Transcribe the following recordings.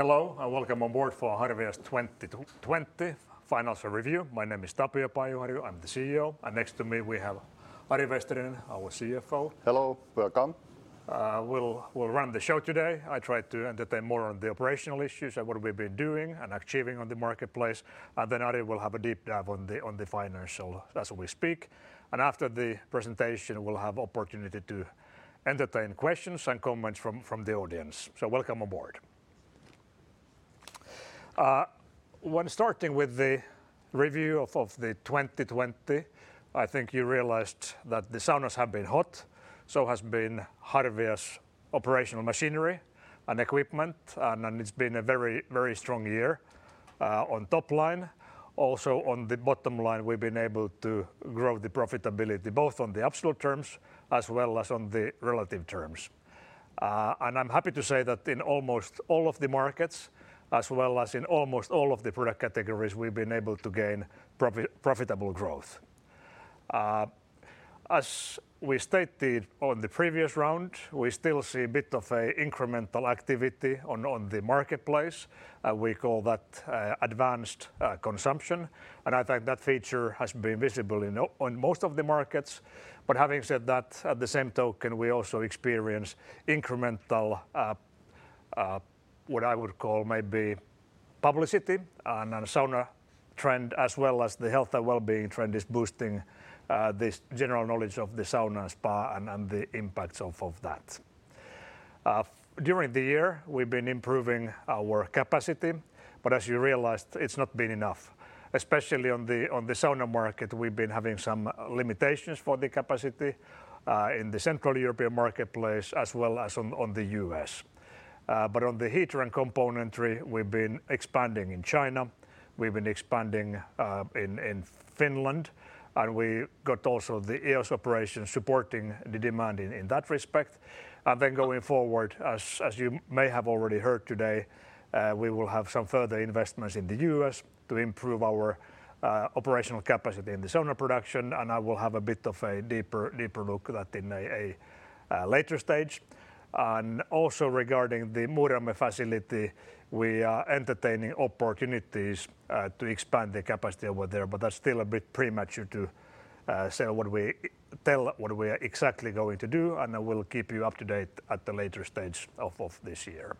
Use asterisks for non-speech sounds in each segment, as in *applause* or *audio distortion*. Hello, welcome aboard for Harvia's 2020 financial review. My name is Tapio Pajuharju. I'm the CEO, and next to me we have Ari Vesterinen, our CFO. Hello. Welcome. We'll run the show today. I try to entertain more on the operational issues and what we've been doing and achieving on the marketplace, then Ari will have a deep dive on the financial as we speak. After the presentation, we'll have opportunity to entertain questions and comments from the audience. Welcome aboard. When starting with the review of the 2020, I think you realized that the saunas have been hot, so has been Harvia's operational machinery and equipment. It's been a very strong year on top line. Also, on the bottom line, we've been able to grow the profitability, both on the absolute terms as well as on the relative terms. I'm happy to say that in almost all of the markets, as well as in almost all of the product categories, we've been able to gain profitable growth. As we stated on the previous round, we still see a bit of a incremental activity on the marketplace. We call that advanced consumption, and I think that feature has been visible on most of the markets. Having said that, at the same token, we also experience incremental, what I would call maybe publicity and a sauna trend, as well as the health and wellbeing trend is boosting this general knowledge of the sauna and spa and the impacts of that. During the year, we've been improving our capacity, as you realized, it's not been enough, especially on the sauna market we've been having some limitations for the capacity in the Central European marketplace as well as on the U.S. On the heater and componentry, we've been expanding in China, we've been expanding in Finland, and we got also the EOS operation supporting the demand in that respect. Going forward, as you may have already heard today, we will have some further investments in the U.S. to improve our operational capacity in the sauna production, and I will have a bit of a deeper look at that in a later stage. Regarding the Muurame facility, we are entertaining opportunities to expand the capacity over there, but that's still a bit premature to tell what we are exactly going to do, and we'll keep you up to date at the later stage of this year.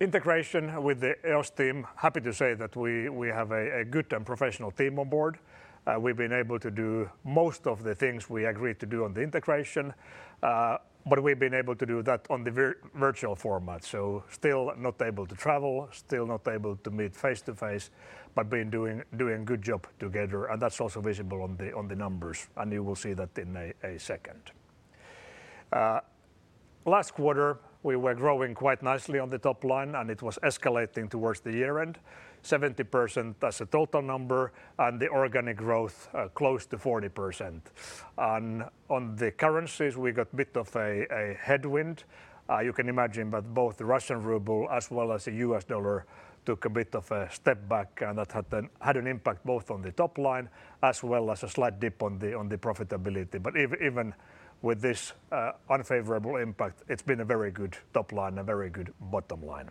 Integration with the EOS team, happy to say that we have a good and professional team on board. We've been able to do most of the things we agreed to do on the integration, but we've been able to do that on the virtual format. Still not able to travel, still not able to meet face-to-face, but we've been doing a good job together, and that's also visible on the numbers, and you will see that in a second. Last quarter, we were growing quite nicely on the top line, and it was escalating towards the year end, 70% as a total number, and the organic growth close to 40%. On the currencies, we got a bit of a headwind. You can imagine that both the Russian ruble as well as the U.S. dollar took a bit of a step back, and that had an impact both on the top line as well as a slight dip on the profitability. Even with this unfavorable impact, it's been a very good top line and a very good bottom line.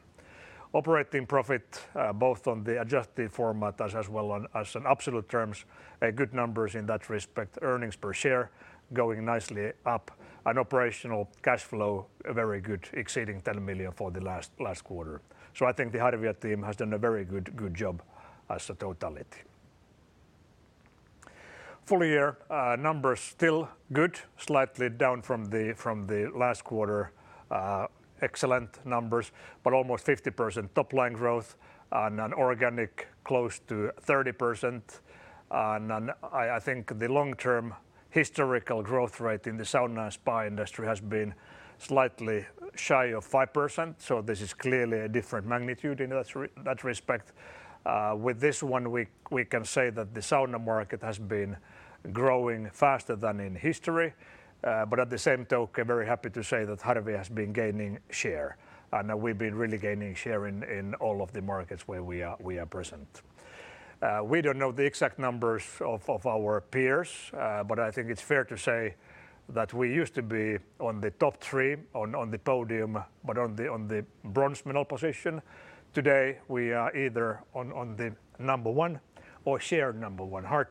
Operating profit, both on the adjusted format as well as on absolute terms, good numbers in that respect. Earnings per share going nicely up and operational cash flow very good, exceeding 10 million for the last quarter. I think the Harvia team has done a very good job as a totality. Full year numbers still good, slightly down from the last quarter. Excellent numbers, almost 50% top-line growth and an organic close to 30%. I think the long-term historical growth rate in the sauna and spa industry has been slightly shy of 5%, so this is clearly a different magnitude in that respect. With this one, we can say that the sauna market has been growing faster than in history. At the same token, very happy to say that Harvia has been gaining share, and we've been really gaining share in all of the markets where we are present. We don't know the exact numbers of our peers, but I think it's fair to say that we used to be on the top three on the podium, but on the bronze medal position. Today, we are either on the number one or shared number one. Hard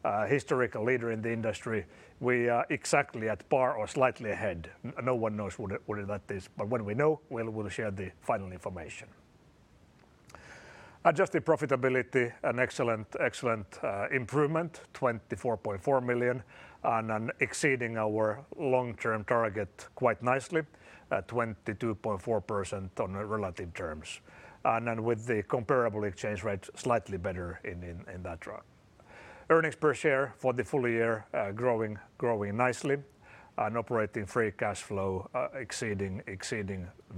to say. KLAFS is the historical leader in the industry. We are exactly at par or slightly ahead. No one knows what that is, but when we know, we'll share the final information. Adjusted profitability, an excellent improvement, 24.4 million, and exceeding our long-term target quite nicely at 22.4% on relative terms. With the comparable exchange rate, slightly better in that run. Earnings per share for the full year growing nicely and operating free cash flow exceeding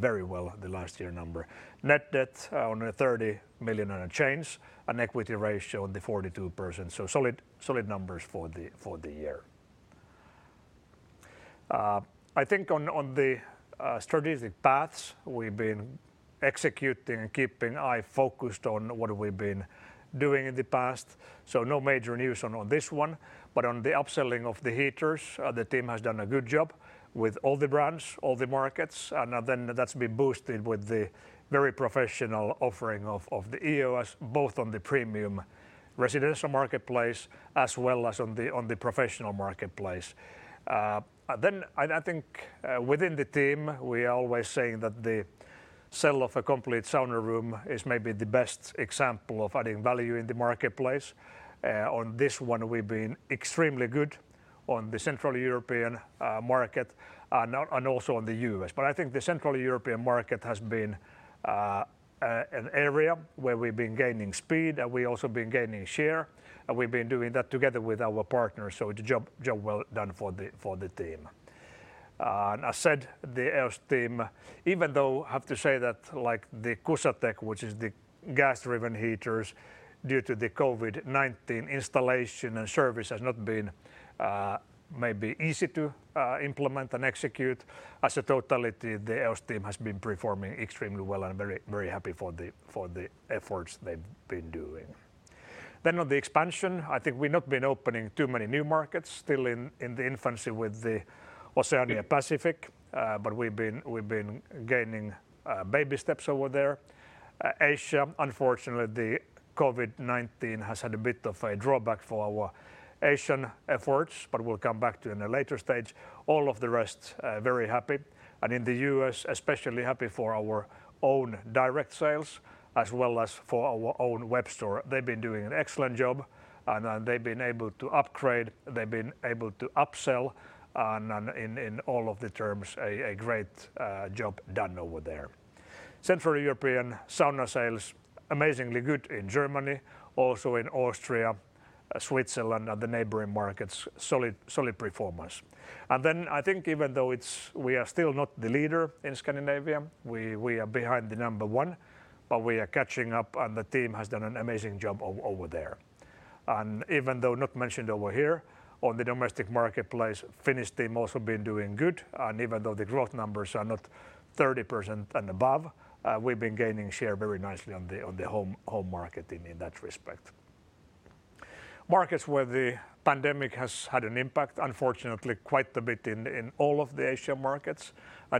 very well the last year number. Net debt on a 30 million and a change, equity ratio on the 42%. Solid numbers for the year. I think on the strategic paths we've been executing and keeping eye focused on what we've been doing in the past. No major news on this one. On the upselling of the heaters, the team has done a good job with all the brands, all the markets, that's been boosted with the very professional offering of the EOS, both on the premium residential marketplace as well as on the professional marketplace. I think within the team, we are always saying that the sale of a complete sauna room is maybe the best example of adding value in the marketplace. On this one, we've been extremely good on the Central European market and also on the U.S. I think the Central European market has been an area where we've been gaining speed, and we've also been gaining share. We've been doing that together with our partners, so job well done for the team. As said, the EOS team, even though I have to say that like the KUSATEK, which is the gas-driven heaters, due to the COVID-19 installation and service has not been maybe easy to implement and execute. As a totality, the EOS team has been performing extremely well and I'm very happy for the efforts they've been doing. On the expansion, I think we've not been opening too many new markets. Still in the infancy with the Oceania Pacific, but we've been gaining baby steps over there. Asia, unfortunately, the COVID-19 has had a bit of a drawback for our Asian efforts, but we'll come back to in a later stage. All of the rest, very happy. In the U.S., especially happy for our own direct sales as well as for our own web store. They've been doing an excellent job, and they've been able to upgrade, they've been able to upsell, and in all of the terms, a great job done over there. Central European sauna sales, amazingly good in Germany, also in Austria, Switzerland, and the neighboring markets, solid performance. I think even though we are still not the leader in Scandinavia, we are behind the number one, but we are catching up and the team has done an amazing job over there. Even though not mentioned over here, on the domestic marketplace, Finnish team also been doing good. Even though the growth numbers are not 30% and above, we've been gaining share very nicely on the home market in that respect. Markets where the pandemic has had an impact, unfortunately, quite a bit in all of the Asian markets.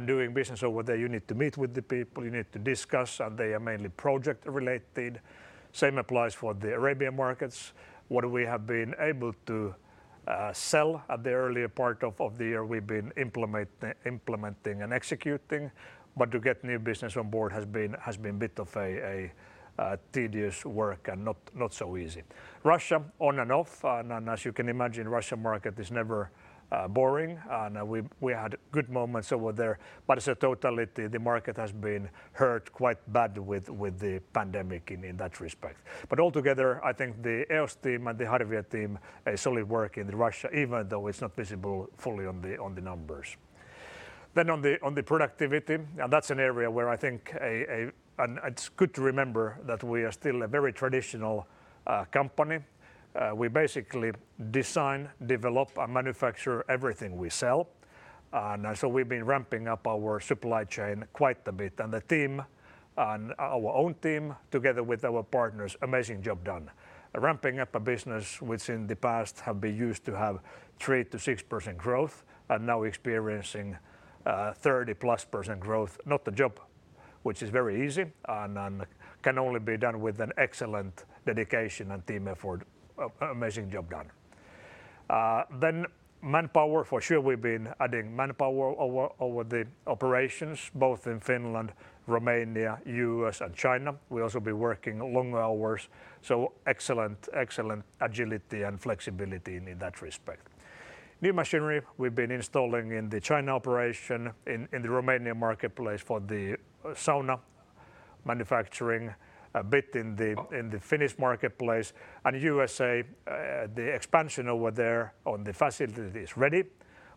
Doing business over there, you need to meet with the people, you need to discuss, and they are mainly project related. Same applies for the Arabian markets. What we have been able to sell at the earlier part of the year, we've been implementing and executing. To get new business on board has been bit of a tedious work and not so easy. Russia, on and off, and as you can imagine, Russia market is never boring, and we had good moments over there. As a totality, the market has been hurt quite bad with the pandemic in that respect. Altogether, I think the EOS team and the Harvia team, a solid work in Russia, even though it's not visible fully on the numbers. On the productivity, that's an area where I think it's good to remember that we are still a very traditional company. We basically design, develop, and manufacture everything we sell. We've been ramping up our supply chain quite a bit, and our own team together with our partners, amazing job done. Ramping up a business which in the past have been used to have 3%-6% growth and now experiencing 30%+ growth, not a job which is very easy and can only be done with an excellent dedication and team effort. Amazing job done. Manpower, for sure, we've been adding manpower over the operations, both in Finland, Romania, U.S., and China. We’ve also been working long hours, so excellent agility and flexibility in that respect. New machinery, we’ve been installing in the China operation, in the Romanian marketplace for the sauna manufacturing, a bit in the Finnish marketplace, and U.S.A., the expansion over there on the facility is ready.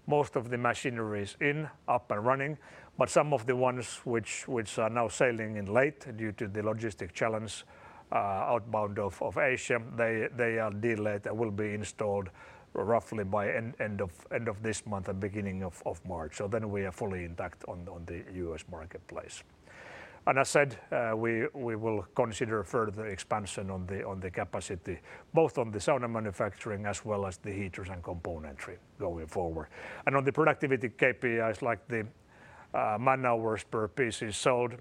Most of the machinery is in, up and running, but some of the ones which are now sailing in late due to the logistic challenge outbound of Asia, they are delayed and will be installed roughly by end of this month and beginning of March. We are fully intact on the U.S.A. marketplace. As said, we will consider further expansion on the capacity, both on the sauna manufacturing as well as the heaters and componentry going forward. On the productivity KPIs like the man-hours per piece sold,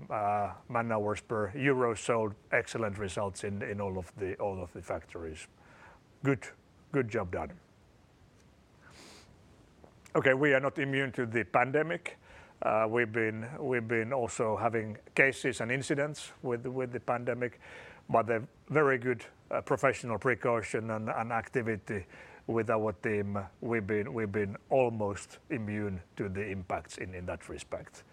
man-hours per euro sold, excellent results in all of the factories. Good job done. We are not immune to the pandemic. We've been also having cases and incidents with the pandemic, but a very good professional precaution and activity with our team. We've been almost immune to the impacts in that respect.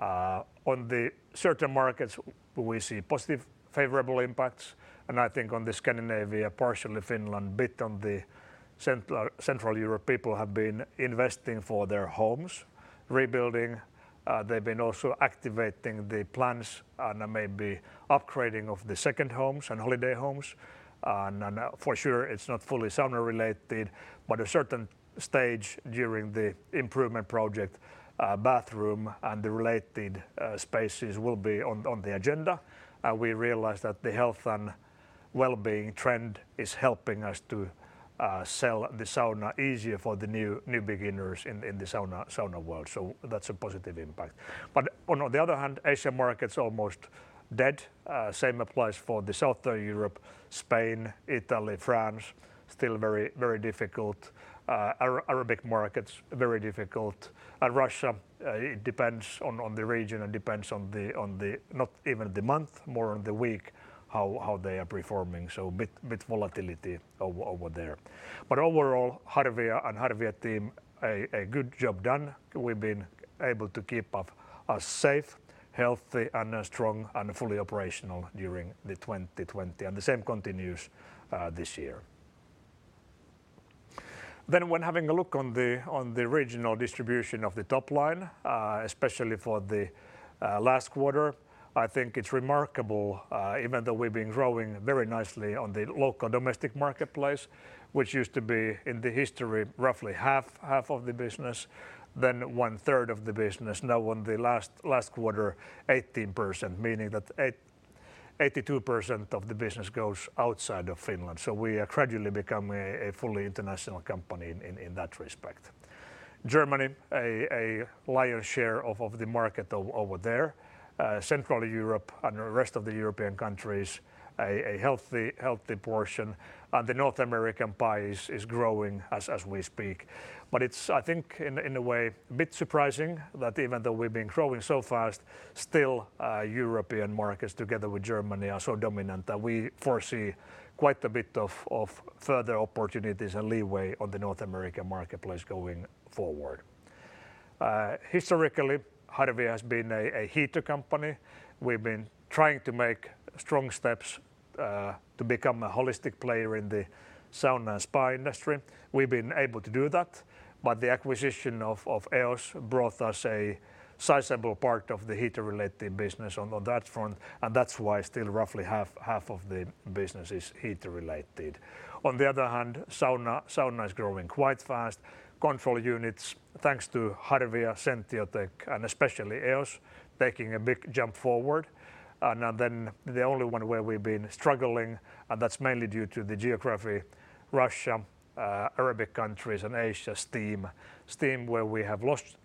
On the certain markets, we see positive, favorable impacts. I think on the Scandinavia, partially Finland, bit on the Central Europe, people have been investing for their homes, rebuilding. They've been also activating the plans on maybe upgrading of the second homes and holiday homes. For sure, it's not fully sauna related, but a certain stage during the improvement project, bathroom and the related spaces will be on the agenda. We realize that the health and wellbeing trend is helping us to sell the sauna easier for the new beginners in the sauna world. That's a positive impact. On the other hand, Asian market is almost dead. Same applies for the Southern Europe, Spain, Italy, France, still very difficult. Arabic markets, very difficult. Russia, it depends on the region and depends on not even the month, more on the week, how they are performing. A bit volatility over there. Overall, Harvia and Harvia team, a good job done. We've been able to keep us safe, healthy and strong, and fully operational during the 2020, and the same continues this year. When having a look on the regional distribution of the top line, especially for the last quarter, I think it's remarkable, even though we've been growing very nicely on the local domestic marketplace, which used to be, in the history, roughly half of the business, 1/3 of the business. On the last quarter, 18%, meaning that 82% of the business goes outside of Finland. We are gradually becoming a fully international company in that respect. Germany, a lion's share of the market over there. Central Europe and the rest of the European countries, a healthy portion. The North American pie is growing as we speak. It's, I think, in a way, a bit surprising that even though we've been growing so fast, still European markets together with Germany are so dominant that we foresee quite a bit of further opportunities and leeway on the North American marketplace going forward. Historically, Harvia has been a heater company. We've been trying to make strong steps to become a holistic player in the sauna and spa industry. We've been able to do that, but the acquisition of EOS brought us a sizable part of the heater related business on that front, and that's why still roughly half of the business is heater related. On the other hand, sauna is growing quite fast. Control units, thanks to Harvia, Sentiotec, and especially EOS, taking a big jump forward. The only one where we've been struggling, and that's mainly due to the geography, Russia, Arabic countries and Asia steam. Steam where we have lost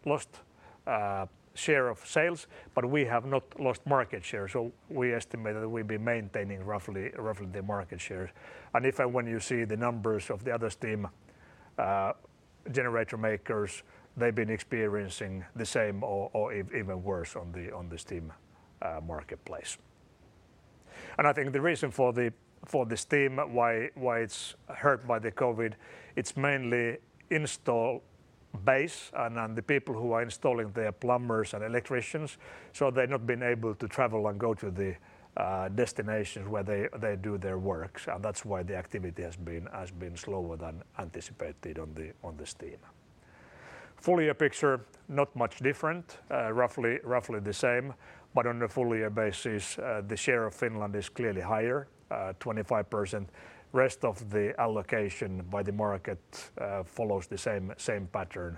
share of sales, but we have not lost market share. We estimate that we'll be maintaining roughly the market share. If and when you see the numbers of the other steam generator makers, they've been experiencing the same or even worse on the steam marketplace. I think the reason for the steam, why it's hurt by the COVID, it's mainly install base and the people who are installing, the plumbers and electricians. They've not been able to travel and go to the destinations where they do their works. That's why the activity has been slower than anticipated on the steam. Full year picture, not much different, roughly the same. On a full year basis, the share of Finland is clearly higher, 25%. Rest of the allocation by the market follows the same pattern.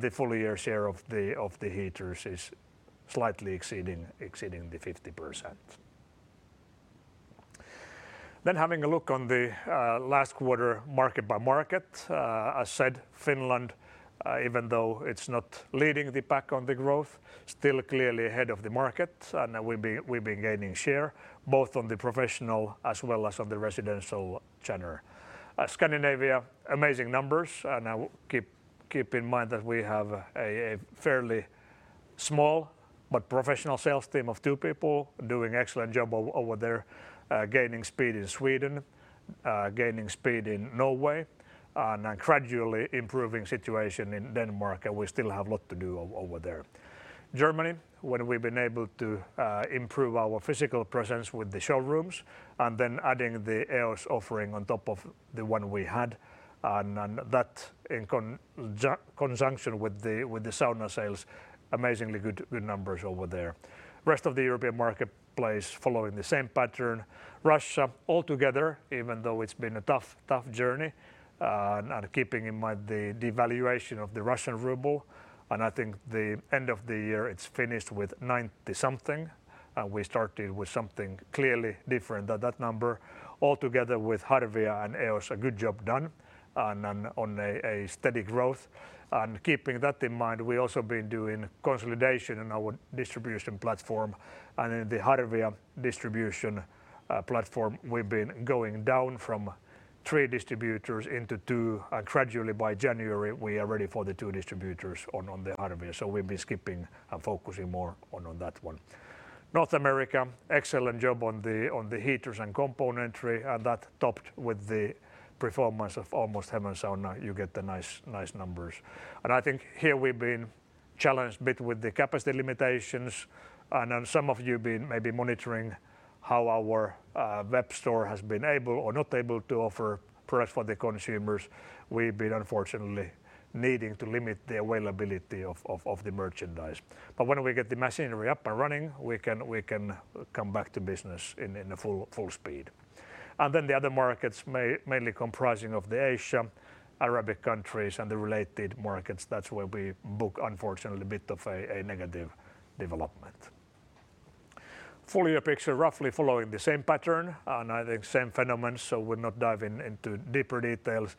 The full year share of the heaters is slightly exceeding the 50%. Having a look on the last quarter market by market. As said, Finland, even though it's not leading the pack on the growth, still clearly ahead of the market. We've been gaining share, both on the professional as well as on the residential genre. Scandinavia, amazing numbers. Keep in mind that we have a fairly small but professional sales team of two people doing excellent job over there. Gaining speed in Sweden, gaining speed in Norway, and gradually improving situation in Denmark. We still have lot to do over there. Germany, where we've been able to improve our physical presence with the showrooms, and then adding the EOS offering on top of the one we had. That in conjunction with the sauna sales, amazingly good numbers over there. Rest of the European marketplace following the same pattern. Russia, altogether, even though it's been a tough journey, and keeping in mind the devaluation of the Russian ruble, and I think the end of the year, it's finished with 90 something, and we started with something clearly different than that number. Altogether with Harvia and EOS, a good job done and on a steady growth. Keeping that in mind, we also been doing consolidation in our distribution platform and in the Harvia distribution platform, we've been going down from three distributors into two, and gradually by January, we are ready for the two distributors on the Harvia. We've been skipping and focusing more on that one. North America, excellent job on the heaters and componentry. That topped with the performance of Almost Heaven Saunas, you get the nice numbers. I think here we've been challenged a bit with the capacity limitations. Some of you may be monitoring how our web store has been able or not able to offer products for the consumers. We've been unfortunately needing to limit the availability of the merchandise. When we get the machinery up and running, we can come back to business in full speed. The other markets, mainly comprising of the Asia, Arabic countries, and the related markets. That's where we book, unfortunately, a bit of a negative development. Full year picture, roughly following the same pattern, and I think same phenomenon. Will not dive into deeper details.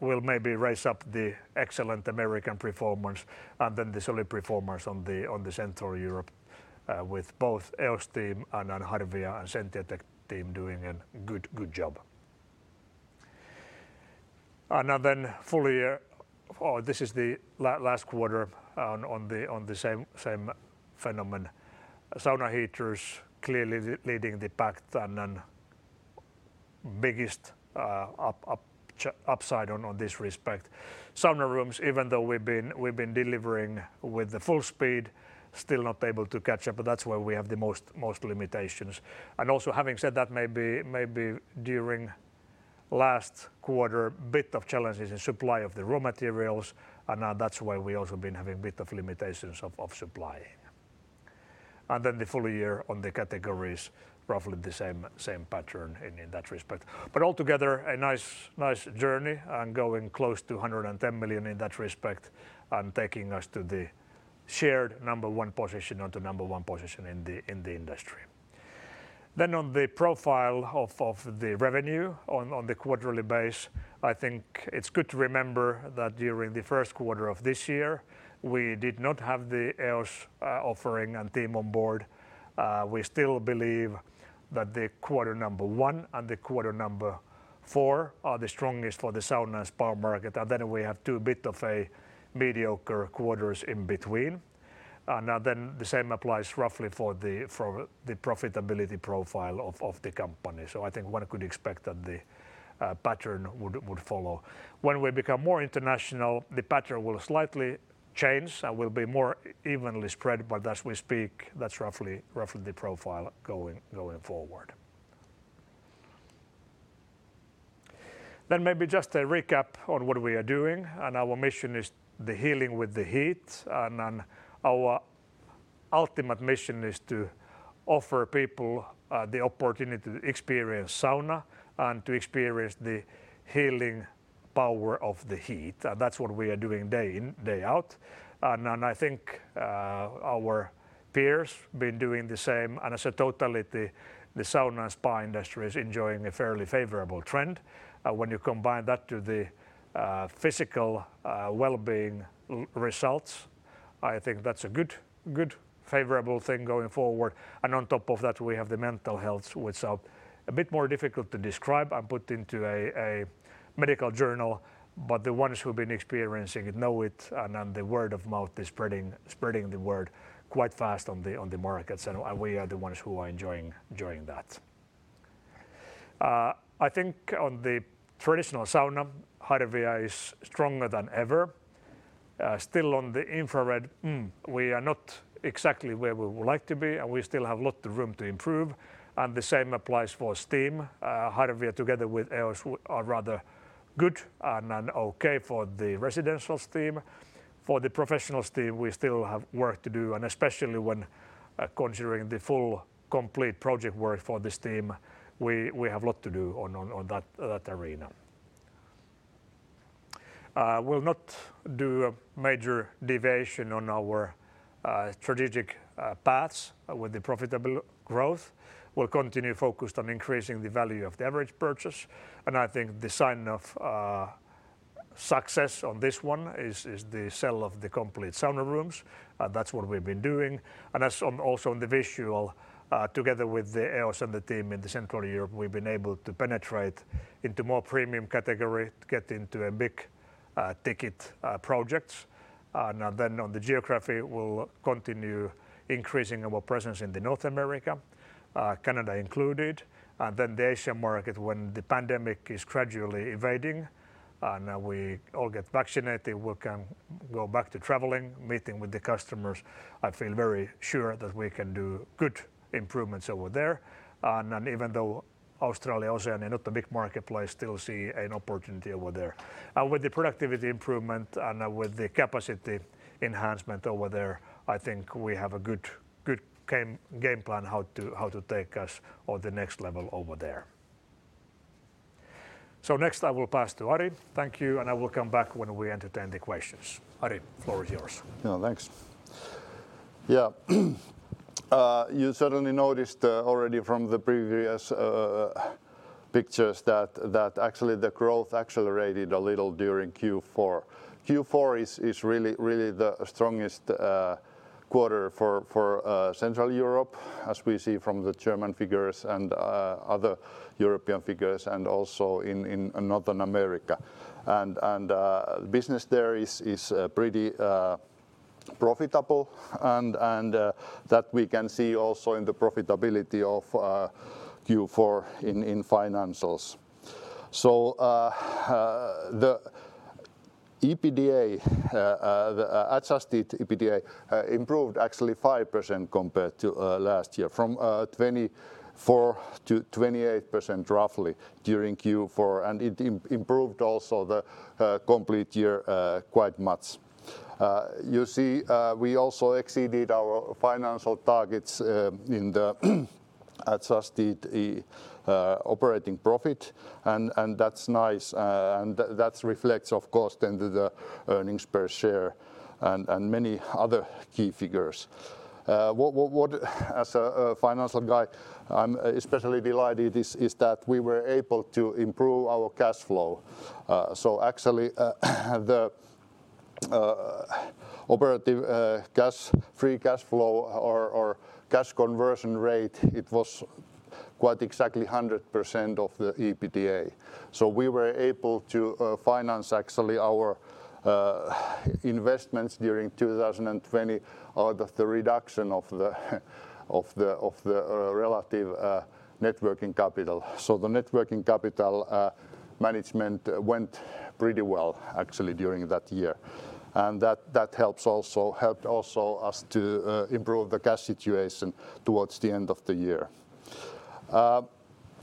Will maybe raise up the excellent American performance and then the solid performers on the Central Europe with both EOS team and Harvia and Sentiotec team doing a good job. Oh, this is the last quarter on the same phenomenon. Sauna heaters clearly leading the pack, and then biggest upside on this respect. Sauna rooms, even though we've been delivering with the full speed, still not able to catch up, but that's where we have the most limitations. Having said that, maybe during last quarter, bit of challenges in supply of the raw materials, and that's why we also been having a bit of limitations of supply. The full year on the categories, roughly the same pattern in that respect. Altogether, a nice journey and going close to 110 million in that respect and taking us to the shared number one position or to number one position in the industry. On the profile of the revenue on the quarterly base, I think it's good to remember that during the first quarter of this year, we did not have the EOS offering and team on board. We still believe that the quarter number one and the quarter number four are the strongest for the sauna and spa market. We have two bit of a mediocre quarters in between. The same applies roughly for the profitability profile of the company. I think one could expect that the pattern would follow. When we become more international, the pattern will slightly change and will be more evenly spread, but as we speak, that's roughly the profile going forward. Maybe just a recap on what we are doing, and our mission is the healing with the heat. Our ultimate mission is to offer people the opportunity to experience sauna and to experience the healing power of the heat. That's what we are doing day in, day out. I think our peers been doing the same. As a totality, the sauna and spa industry is enjoying a fairly favorable trend. When you combine that to the physical well-being results, I think that's a good favorable thing going forward. On top of that, we have the mental health, which are a bit more difficult to describe and put into a medical journal. The ones who've been experiencing it know it, and the word of mouth is spreading the word quite fast on the markets. We are the ones who are enjoying that. I think on the traditional sauna, Harvia is stronger than ever. Still on the infrared, we are not exactly where we would like to be, and we still have a lot of room to improve, and the same applies for steam. Harvia together with EOS are rather good and okay for the residential steam. For the professional steam, we still have work to do, and especially when considering the full complete project work for the steam, we have a lot to do on that arena. Will not do a major deviation on our strategic paths with the profitable growth. We'll continue focused on increasing the value of the average purchase. I think the sign of success on this one is the sale of the complete sauna rooms. That's what we've been doing. As also on the visual, together with the EOS and the team in Central Europe, we've been able to penetrate into more premium category to get into a big ticket projects. On the geography, we'll continue increasing our presence in North America, Canada included. The Asian market, when the pandemic is gradually evading, and we all get vaccinated, we can go back to traveling, meeting with the customers. I feel very sure that we can do good improvements over there. Even though Australia, Oceania, not a big marketplace, still see an opportunity over there. With the productivity improvement and with the capacity enhancement over there, I think we have a good game plan how to take us on the next level over there. Next I will pass to Ari. Thank you, and I will come back when we entertain the questions. Ari, floor is yours. Yeah, thanks. You certainly noticed already from the previous pictures that actually the growth accelerated a little during Q4. Q4 is really the strongest quarter for Central Europe, as we see from the German figures and other European figures, and also in North America. Business there is pretty profitable, and that we can see also in the profitability of Q4 in financials. The adjusted EBITDA improved actually 5% compared to last year, from 24%-28% roughly during Q4, and it improved also the complete year quite much. You see we also exceeded our financial targets in the adjusted operating profit, and that's nice. That reflects, of course, then to the earnings per share and many other key figures. What, as a financial guy, I'm especially delighted is that we were able to improve our cash flow. Actually, the operative free cash flow or cash conversion rate, it was quite exactly 100% of the EBITDA. We were able to finance actually our investments during 2020 out of the reduction of the relative net working capital. The net working capital management went pretty well actually during that year. That helped also us to improve the cash situation towards the end of the year.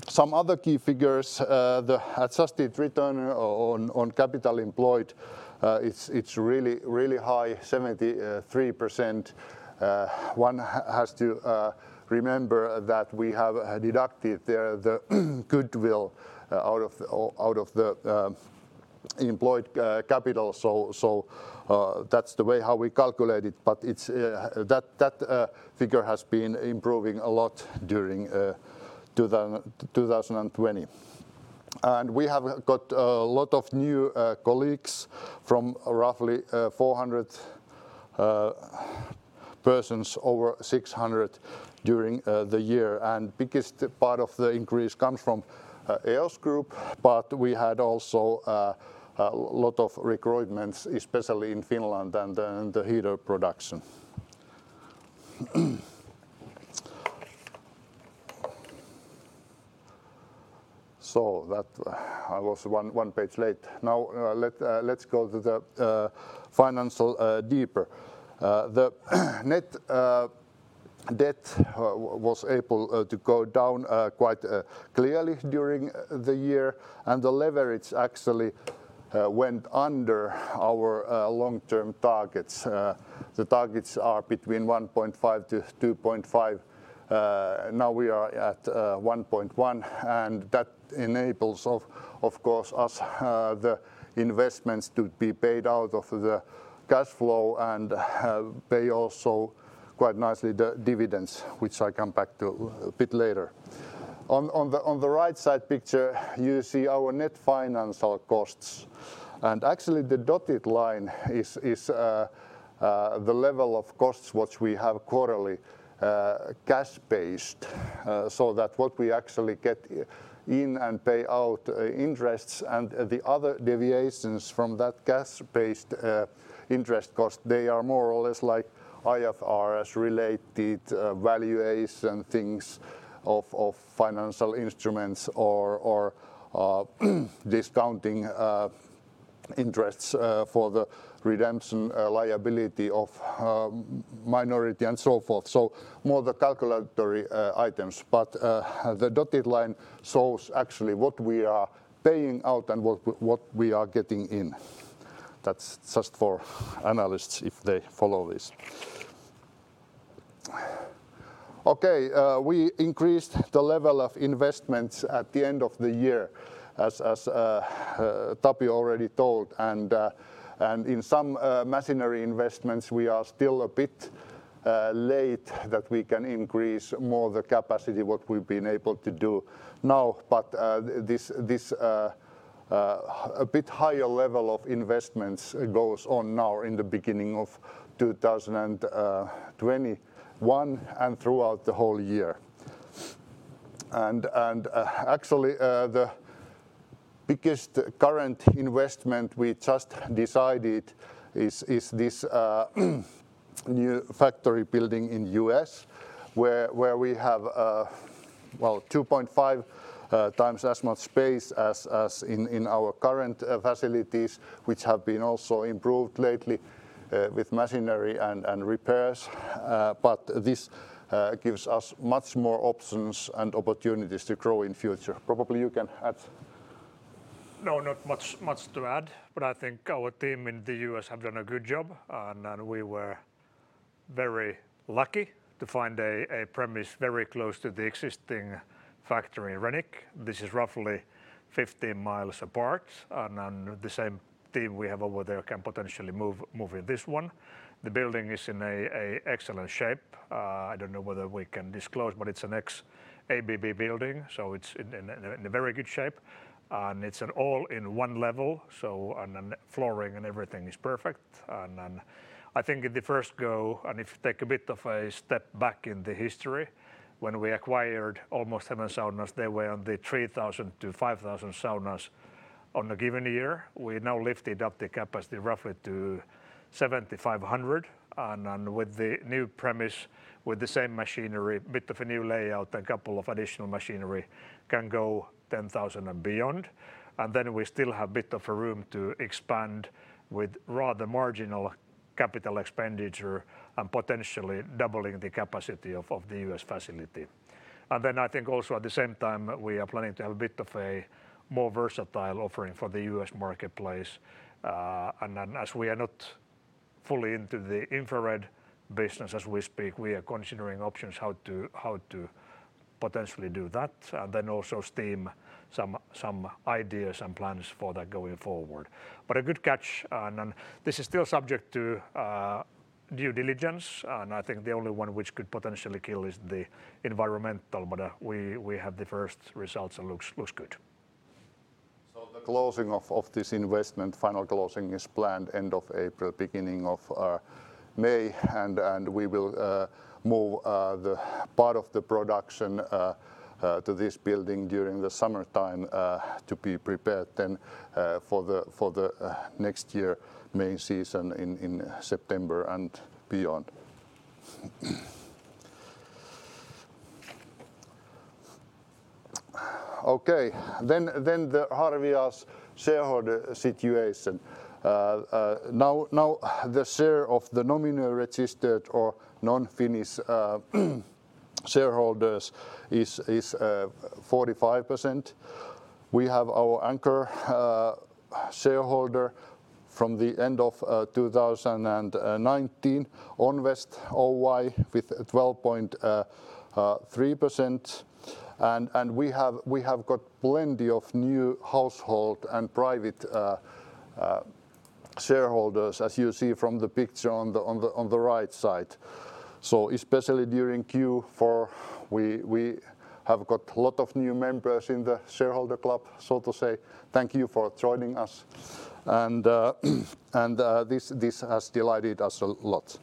Some other key figures, the adjusted return on capital employed, it's really high, 73%. One has to remember that we have deducted the goodwill out of the employed capital. That's the way how we calculate it, but that figure has been improving a lot during 2020. We have got a lot of new colleagues from roughly 400 persons, over 600 during the year. Biggest part of the increase comes from EOS Group, but we had also a lot of recruitments, especially in Finland and the heater production. I was one page late. Let's go to the financial deeper. The net debt was able to go down quite clearly during the year, and the leverage actually went under our long-term targets. The targets are between 1.5-2.5. We are at 1.1, and that enables of course us the investments to be paid out of the cash flow and pay also quite nicely the dividends, which I come back to a bit later. On the right side picture, you see our net financial costs. Actually, the dotted line is the level of costs what we have quarterly, cash-based. That what we actually get in and pay out interests and the other deviations from that cash-based interest cost, they are more or less IFRS-related valuations and things of financial instruments or discounting interests for the redemption liability of minority and so forth. More the calculatory items, but the dotted line shows actually what we are paying out and what we are getting in. That's just for analysts if they follow this. Okay. We increased the level of investments at the end of the year, as Tapio already told. In some machinery investments, we are still a bit late that we can increase more the capacity what we've been able to do now. This a bit higher level of investments goes on now in the beginning of 2021 and throughout the whole year. Actually, the biggest current investment we just decided is this new factory building in U.S., where we have 2.5x as much space as in our current facilities, which have been also improved lately with machinery and repairs. This gives us much more options and opportunities to grow in future. Probably you can add. Not much to add, but I think our team in the U.S. have done a good job. We were very lucky to find a premise very close to the existing factory in Renick. This is roughly 15 mi apart. The same team we have over there can potentially move in this one. The building is in a excellent shape. I don't know whether we can disclose, but it's an ex-ABB building, so it's in a very good shape. It's an all-in-one level, and the flooring and everything is perfect. I think in the first go, and if you take a bit of a step back in the history, when we acquired Almost Heaven Saunas, they were on the 3,000-5,000 saunas on a given year. We now lifted up the capacity roughly to 7,500. With the new premise, with the same machinery, bit of a new layout, a couple of additional machinery, can go 10,000 and beyond. We still have a bit of a room to expand with rather marginal capital expenditure and potentially doubling the capacity of the U.S. facility. I think also at the same time, we are planning to have a bit of a more versatile offering for the U.S. marketplace. As we are not fully into the infrared business as we speak, we are considering options how to potentially do that, and then also steam some ideas and plans for that going forward. A good catch, and this is still subject to due diligence, and I think the only one which could potentially kill is the environmental, but we have the first results. It looks good. The closing of this investment, final closing, is planned end of April, beginning of May. We will move part of the production to this building during the summertime to be prepared then for the next year main season in September and beyond. The Harvia's shareholder situation. The share of the nominal registered or non-Finnish shareholders is 45%. We have our anchor shareholder from the end of 2019, Onvest Oy, with 12.3%. We have got plenty of new household and private shareholders, as you see from the picture on the right side. Especially during Q4, we have got lot of new members in the shareholder club, so to say. Thank you for joining us. This has delighted us a lot.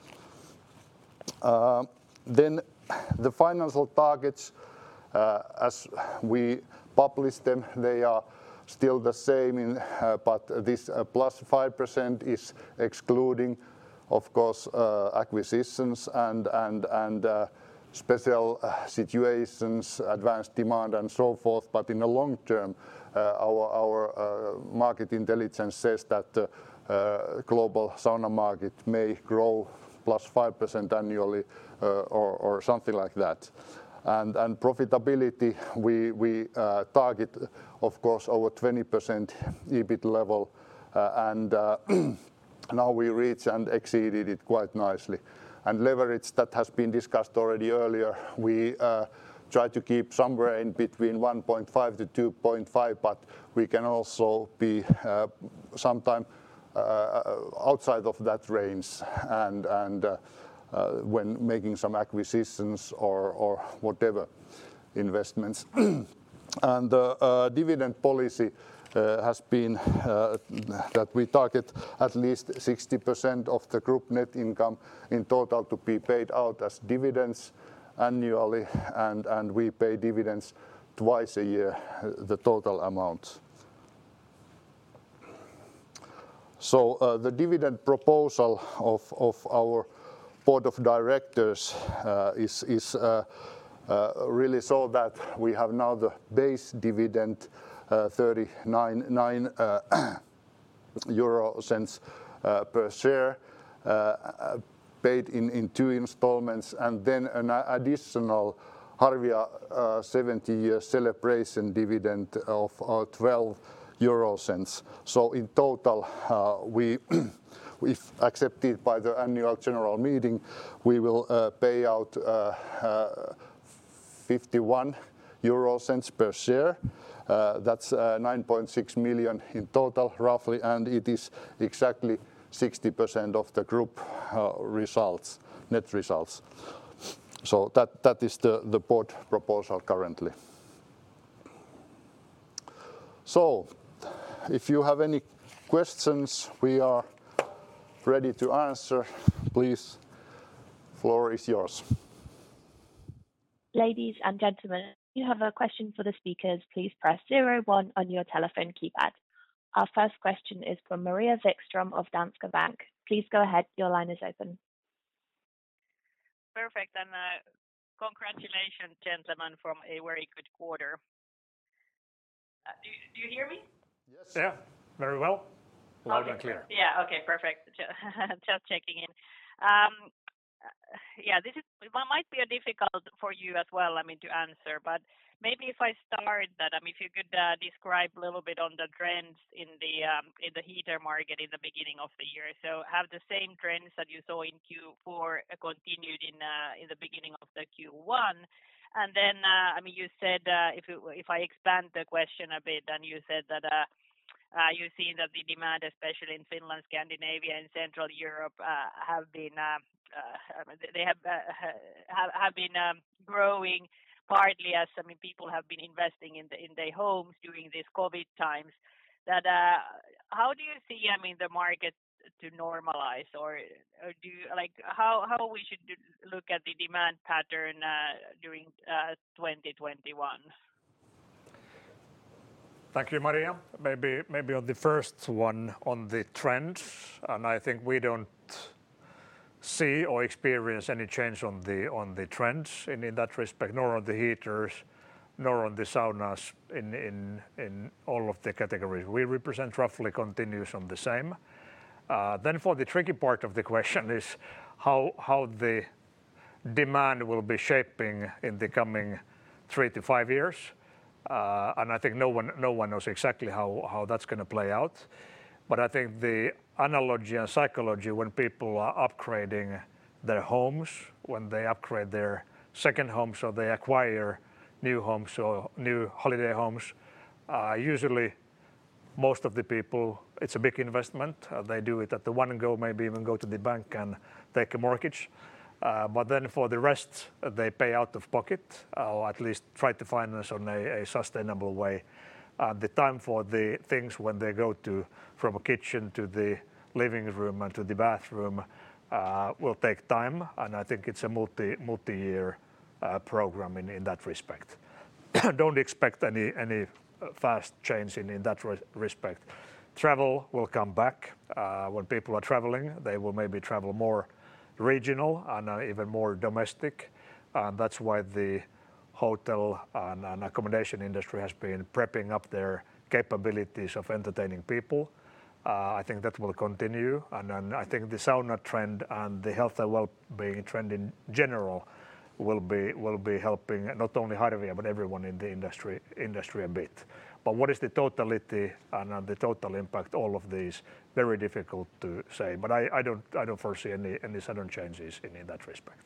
The financial targets, as we publish them, they are still the same, but this 5% is excluding, of course, acquisitions and special situations, advanced consumption and so forth. In the long term, our market intelligence says that global sauna market may grow +5% annually, or something like that. Profitability, we target, of course, over 20% EBIT level. Now we reached and exceeded it quite nicely. Leverage that has been discussed already earlier, we try to keep somewhere in between 1.5-2.5, but we can also be sometime outside of that range and when making some acquisitions or whatever investments. Dividend policy has been that we target at least 60% of the group net income in total to be paid out as dividends annually, and we pay dividends twice a year, the total amount. The dividend proposal of our board of directors is really so that we have now the base dividend, 0.39 per share, paid in two installments, and then an additional Harvia 70-year celebration dividend of 0.12. In total, we, if accepted by the annual general meeting, we will pay out 0.51 per share. That's 9.6 million in total, roughly, and it is exactly 60% of the group net results. That is the board proposal currently. If you have any questions, we are ready to answer. Please, floor is yours. Ladies and gentlemen, if you have a question for the speakers, please press zero one on your telephone keypad. Our first question is from Maria Wikström of Danske Bank. Please go ahead. Your line is open. Perfect, congratulations, gentlemen, for a very good quarter. Do you hear me? Yes. Yeah. Very well. Loud and clear. Yeah, okay, perfect. Just checking in. Yeah, this might be difficult for you as well to answer, but maybe if I start that, if you could describe a little bit on the trends in the heater market in the beginning of the year. Have the same trends that you saw in Q4 continued in the beginning of the Q1? If I expand the question a bit, and you said that you've seen that the demand, especially in Finland, Scandinavia, and Central Europe, have been growing partly as people have been investing in their homes during this COVID times. How do you see the market to normalize? Or how we should look at the demand pattern during 2021? Thank you, Maria. Maybe on the first one on the trends, I think we don't see or experience any change on the trends in that respect, nor on the heaters, nor on the saunas in all of the categories we represent, roughly continues on the same. For the tricky part of the question is how the demand will be shaping in the coming three to five years. I think no one knows exactly how that's going to play out. I think the analogy and psychology when people are upgrading their homes, when they upgrade their second homes or they acquire new homes or new holiday homes, usually most of the people, it's a big investment. They do it at the one go, maybe even go to the bank and take a mortgage. For the rest, they pay out of pocket or at least try to finance on a sustainable way. The time for the things, when they go to from a kitchen to the living room and to the bathroom, will take time, and I think it's a multi-year program in that respect. Don't expect any fast change in that respect. Travel will come back. When people are traveling, they will maybe travel more regional and even more domestic. That's why the hotel and accommodation industry has been prepping up their capabilities of entertaining people. I think that will continue. I think the sauna trend and the health and wellbeing trend in general will be helping not only Harvia, but everyone in the industry a bit. What is the totality and the total impact, all of these, very difficult to say. I don't foresee any sudden changes in that respect.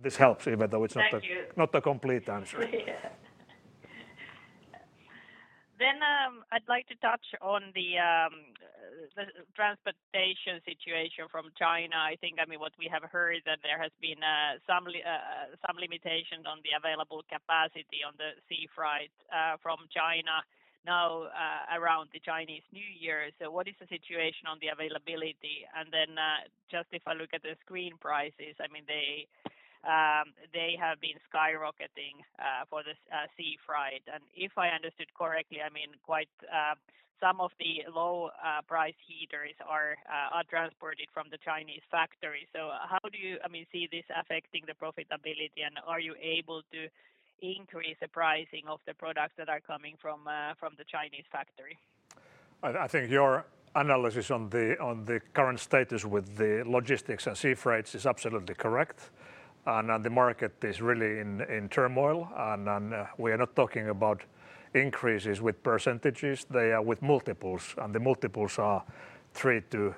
This helps even though it's not. Thank you. Not a complete answer. I'd like to touch on the transportation situation from China. I think what we have heard, that there has been some limitations on the available capacity on the sea freight from China now around the Chinese New Year. What is the situation on the availability? Just if I look at the screen prices, they have been skyrocketing for the sea freight. If I understood correctly, some of the low-price heaters are transported from the Chinese factory. How do you see this affecting the profitability, and are you able to increase the pricing of the products that are coming from the Chinese factory? I think your analysis on the current status with the logistics and sea freights is absolutely correct, and the market is really in turmoil. We are not talking about increases with percentages. They are with multiples, and the multiples are three to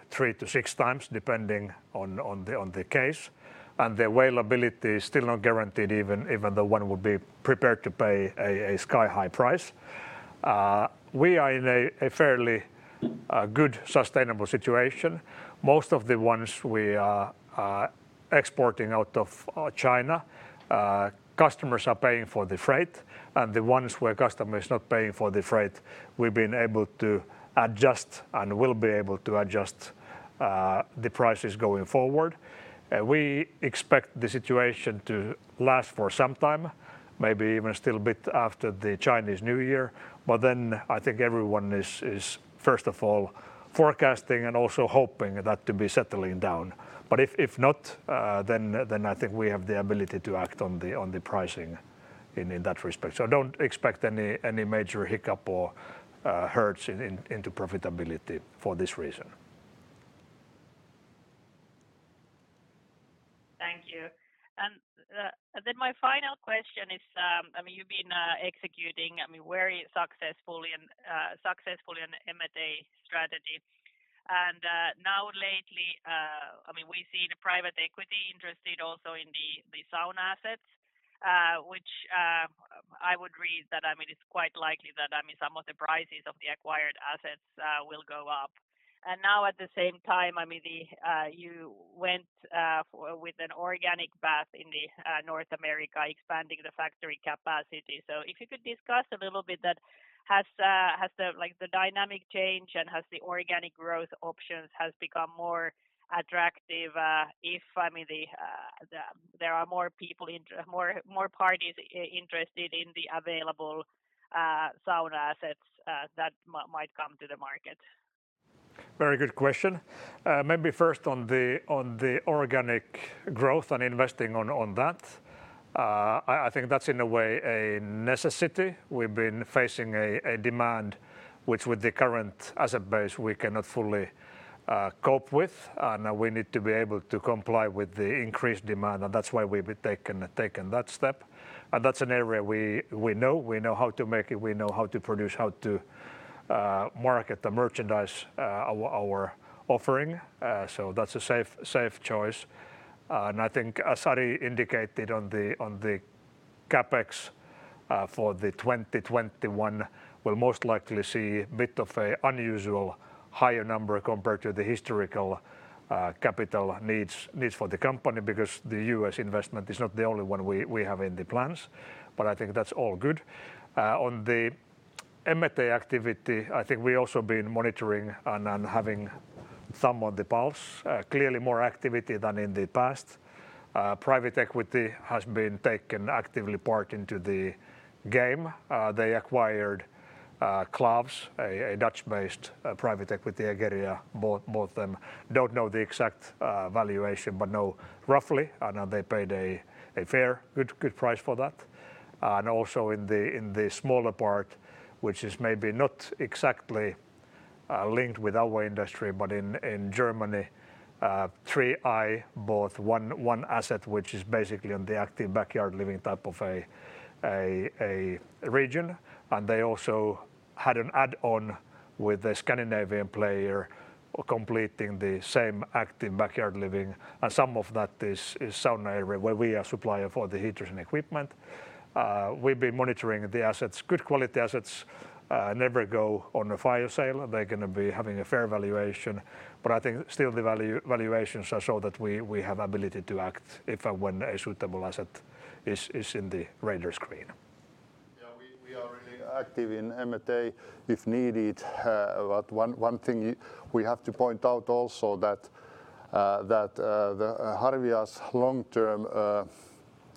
six times, depending on the case, and the availability is still not guaranteed even though one would be prepared to pay a sky-high price. We are in a fairly good sustainable situation. Most of the ones we are exporting out of China, customers are paying for the freight, and the ones where customer is not paying for the freight, we've been able to adjust and will be able to adjust the prices going forward. We expect the situation to last for some time, maybe even still a bit after the Chinese New Year. I think everyone is, first of all, forecasting and also hoping that to be settling down. If not, then I think we have the ability to act on the pricing in that respect. Don't expect any major hiccup or hurts into profitability for this reason. Thank you. My final question is, you've been executing very successfully on the M&A strategy. Lately, we've seen private equity interested also in the sauna assets, which I would read that it's quite likely that some of the prices of the acquired assets will go up. At the same time, you went with an organic bath in the North America, expanding the factory capacity. If you could discuss a little bit that, has the dynamic change and has the organic growth options has become more attractive if there are more parties interested in the available sauna assets that might come to the market? Very good question. Maybe first on the organic growth and investing on that. I think that's in a way a necessity. We've been facing a demand, which with the current asset base, we cannot fully cope with. We need to be able to comply with the increased demand, and that's why we've taken that step. That's an area we know how to make it, we know how to produce, how to market the merchandise, our offering. That's a safe choice. I think as Ari indicated on the CapEx, for 2021, we'll most likely see a bit of a unusual higher number compared to the historical capital needs for the company because the U.S. investment is not the only one we have in the plans. I think that's all good. On the M&A activity, I think we also been monitoring and having thumb on the pulse. Clearly more activity than in the past. Private equity has been taken actively part into the game. They acquired KLAFS, a Dutch-based private equity, Egeria bought both of them. Don't know the exact valuation, but know roughly, and they paid a fair, good price for that. Also in the smaller part, which is maybe not exactly linked with our industry, but in Germany, 3i bought one asset, which is basically on the active backyard living type of a region. They also had an add-on with a Scandinavian player completing the same active backyard living. Some of that is sauna area where we are supplier for the heaters and equipment. We've been monitoring the assets. Good quality assets never go on a fire sale. They're going to be having a fair valuation. I think still the valuations are so that we have ability to act if and when a suitable asset is in the radar screen. Yeah, we are really active in M&A if needed. One thing we have to point out also that Harvia's long-term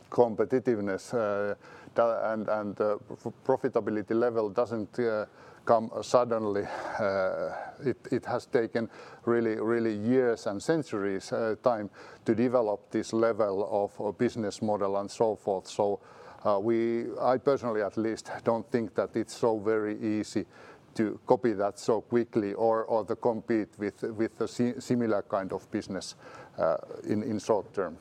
competitiveness and profitability level doesn't come suddenly. It has taken really years and centuries time to develop this level of business model and so forth. I personally at least don't think that it's so very easy to copy that so quickly or to compete with a similar kind of business in short term.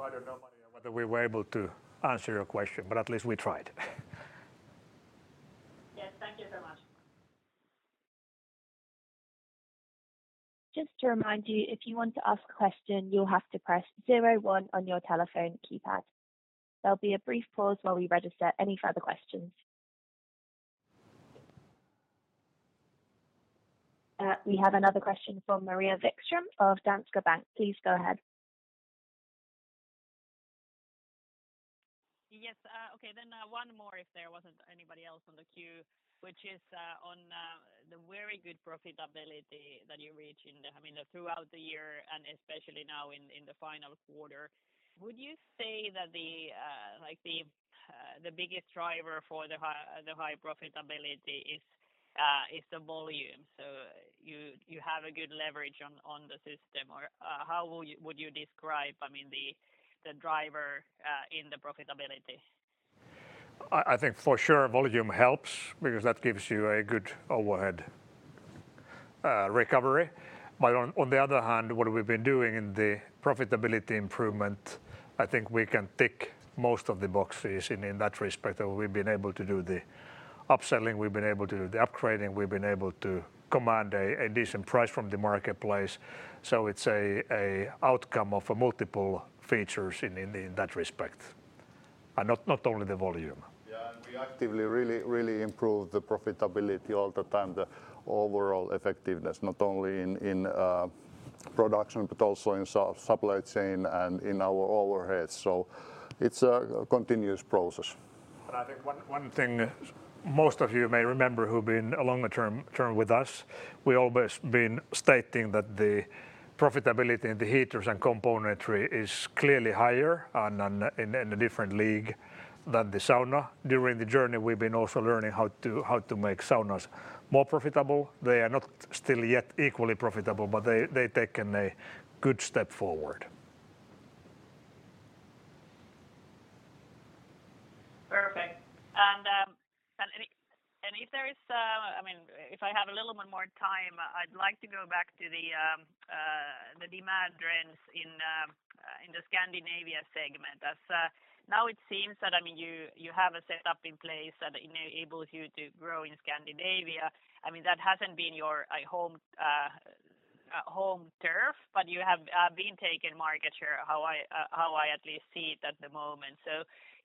I don't know, Maria, whether we were able to answer your question, but at least we tried. Yes. Thank you so much. Just to remind you, if you want to ask a question, you'll have to press zero one on your telephone keypad. There'll be a brief pause while we register any further questions. We have another question from Maria Wikström of Danske Bank. Please go ahead. Yes. Okay, one more if there wasn't anybody else on the queue, which is on the very good profitability that you reach throughout the year and especially now in the final quarter. Would you say that the biggest driver for the high profitability is the volume? You have a good leverage on the system, or how would you describe the driver in the profitability? I think for sure volume helps because that gives you a good overhead recovery. On the other hand, what we've been doing in the profitability improvement, I think we can tick most of the boxes in that respect, that we've been able to do the upselling, we've been able to do the upgrading, we've been able to command a decent price from the marketplace. It's an outcome of multiple features in that respect, and not only the volume. Yeah, we actively really improve the profitability all the time, the overall effectiveness, not only in production, but also in supply chain and in our overheads. It's a continuous process. I think one thing most of you may remember who've been a longer term with us, we always been stating that the profitability in the heaters and componentry is clearly higher and in a different league than the sauna. During the journey, we've been also learning how to make saunas more profitable. They are not still yet equally profitable, but they've taken a good step forward. Perfect. If I have a little more time, I'd like to go back to the demand trends in the Scandinavia segment, as now it seems that you have a setup in place that enables you to grow in Scandinavia. That hasn't been your home turf, but you have been taking market share, how I at least see it at the moment.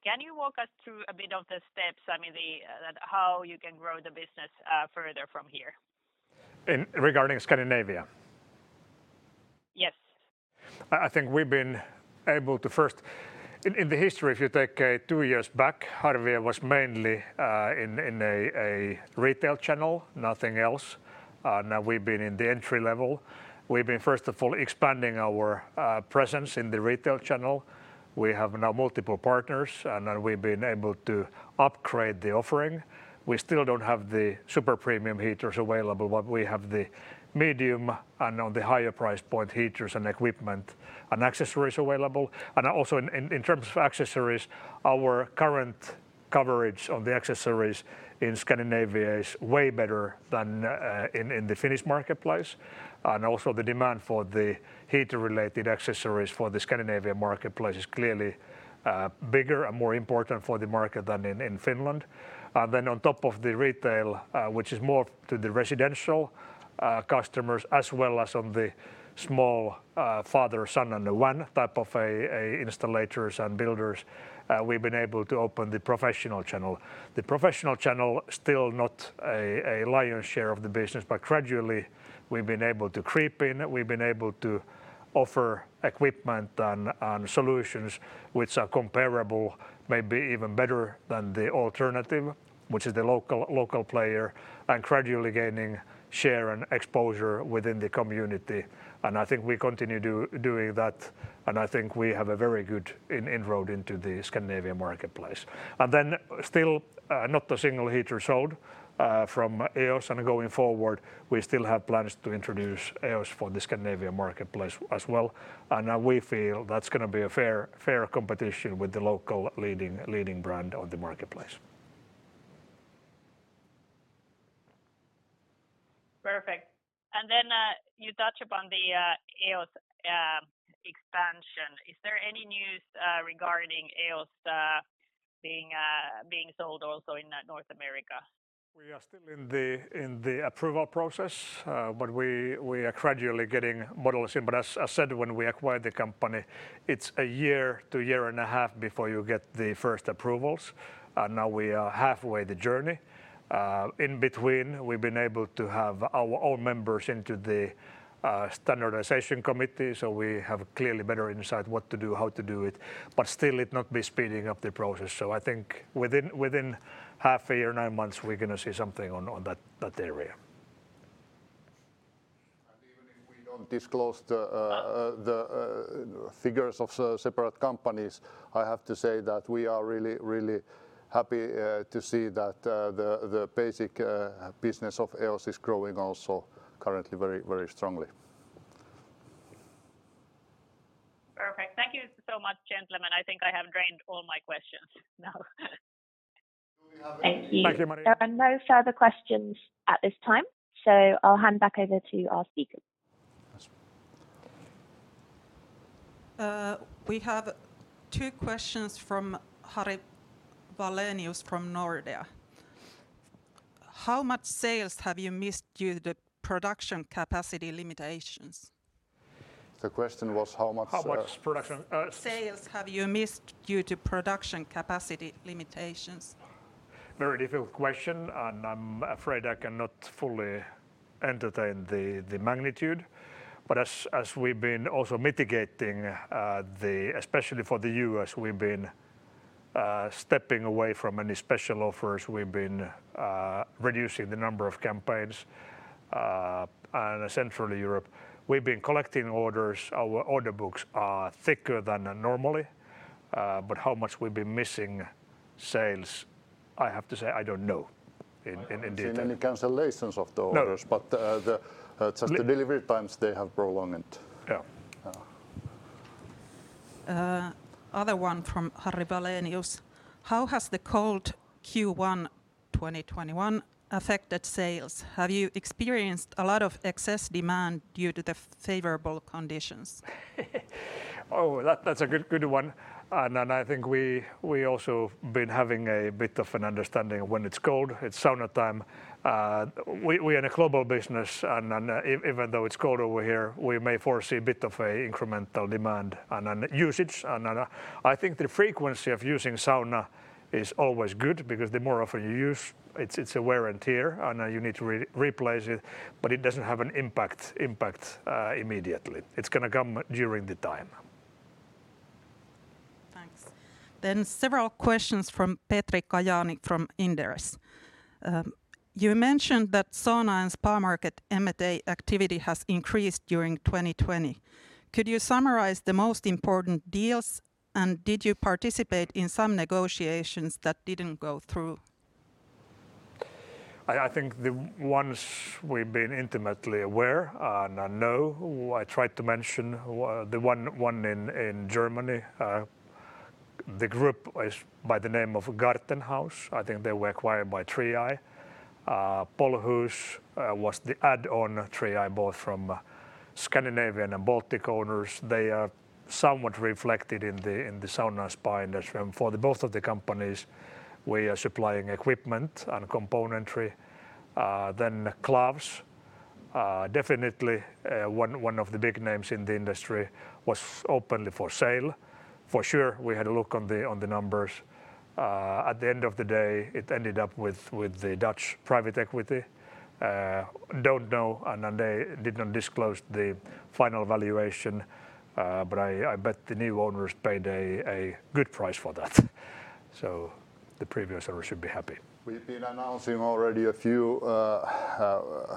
Can you walk us through a bit of the steps, how you can grow the business further from here? In regarding Scandinavia? Yes. I think we've been able to first in the history, if you take two years back, Harvia was mainly in a retail channel, nothing else. Now we've been in the entry level. We've been, first of all, expanding our presence in the retail channel. We have now multiple partners, and then we've been able to upgrade the offering. We still don't have the super premium heaters available, but we have the medium and on the higher price point heaters and equipment and accessories available. Also in terms of accessories, our current coverage of the accessories in Scandinavia is way better than in the Finnish marketplace. Also the demand for the heater-related accessories for the Scandinavia marketplace is clearly bigger and more important for the market than in Finland. On top of the retail, which is more to the residential customers, as well as on the small father, son, and one type of installers and builders, we've been able to open the professional channel. The professional channel, still not a lion's share of the business, but gradually we've been able to creep in. We've been able to offer equipment and solutions which are comparable, maybe even better than the alternative, which is the local player, and gradually gaining share and exposure within the community. I think we continue doing that, and I think we have a very good inroad into the Scandinavia marketplace. Still not a single heater sold from EOS, and going forward, we still have plans to introduce EOS for the Scandinavia marketplace as well. We feel that's going to be a fair competition with the local leading brand on the marketplace. Perfect. Then you touch upon the EOS expansion. Is there any news regarding EOS being sold also in North America? We are still in the approval process, but we are gradually getting models in. As I said, when we acquired the company, it's a year to a year and a half before you get the first approvals. Now we are halfway the journey. In between, we've been able to have our own members into the standardization committee, so we have a clearly better insight what to do, how to do it, but still it not be speeding up the process. I think within half a year, nine months, we're going to see something on that area. Even if we don't disclose the figures of separate companies, I have to say that we are really happy to see that the basic business of EOS is growing also currently very strongly. Perfect. Thank you so much, gentlemen. I think I have drained all my questions now. Do we have any. Thank you, Maria. There are no further questions at this time, so I'll hand back over to our speakers. *audio distortion* We have two questions from Harri Wallenius from Nordea. How much sales have you missed due to production capacity limitations? The question was. How much production. Sales have you missed due to production capacity limitations? Very difficult question. I'm afraid I cannot fully entertain the magnitude. As we've been also mitigating, especially for the U.S., we've been stepping away from any special offers. We've been reducing the number of campaigns. Central Europe, we've been collecting orders. Our order books are thicker than normally. How much we've been missing sales, I have to say I don't know in detail. I haven't seen any cancellations of the orders. No. Just the delivery times, they have prolonged. Yeah. Other one from Harri Wallenius. How has the cold Q1 2021 affected sales? Have you experienced a lot of excess demand due to the favorable conditions? Oh, that's a good one. I think we also been having a bit of an understanding when it's cold, it's sauna time. We are in a global business, and even though it's cold over here, we may foresee a bit of a incremental demand and usage. I think the frequency of using sauna is always good because the more often you use, it's a wear and tear, and you need to replace it, but it doesn't have an impact immediately. It's going to come during the time. Thanks. Several questions from Petri Kajaani from Inderes. You mentioned that sauna and spa market M&A activity has increased during 2020. Could you summarize the most important deals, and did you participate in some negotiations that didn't go through? I think the ones we've been intimately aware and I know, I tried to mention the one in Germany. The group is by the name of GartenHaus. I think they were acquired by 3i. Polhus was the add-on 3i bought from Scandinavian and Baltic owners. They are somewhat reflected in the sauna spa industry. For the both of the companies, we are supplying equipment and componentry. KLAFS, definitely one of the big names in the industry, was openly for sale. We had a look on the numbers. At the end of the day, it ended up with the Dutch private equity. Don't know, they did not disclose the final valuation, but I bet the new owners paid a good price for that. The previous owner should be happy. We've been announcing already a few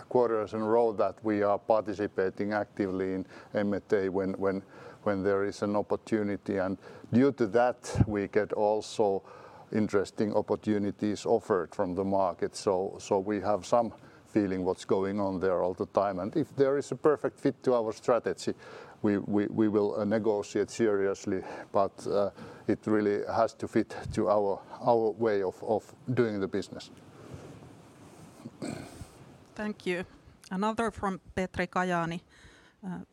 quarters in a row that we are participating actively in M&A when there is an opportunity. Due to that, we get also interesting opportunities offered from the market. We have some feeling what's going on there all the time. If there is a perfect fit to our strategy, we will negotiate seriously, but it really has to fit to our way of doing the business. Thank you. Another from Petri Kajaani.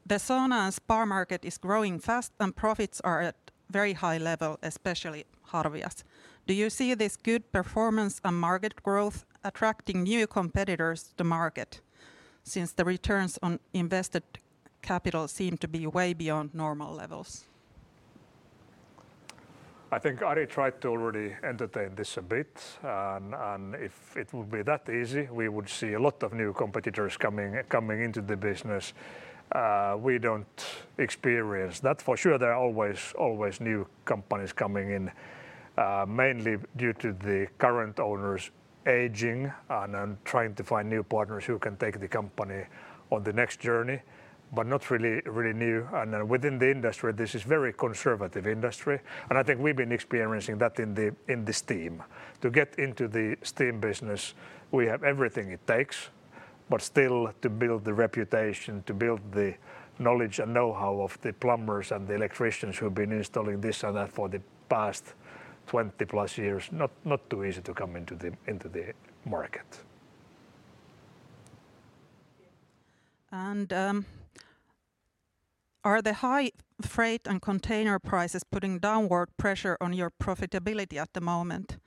The sauna and spa market is growing fast, and profits are at very high level, especially Harvia's. Do you see this good performance and market growth attracting new competitors to market since the returns on invested capital seem to be way beyond normal levels? I think Ari tried to already entertain this a bit, and if it would be that easy, we would see a lot of new competitors coming into the business. We don't experience that. For sure, there are always new companies coming in, mainly due to the current owners aging and trying to find new partners who can take the company on the next journey, but not really new. Within the industry, this is very conservative industry, and I think we've been experiencing that in the steam. To get into the steam business, we have everything it takes, but still to build the reputation, to build the knowledge and know-how of the plumbers and the electricians who've been installing this and that for the past 20+ years, not too easy to come into the market. Are the high freight and container prices putting downward pressure on your profitability at the moment?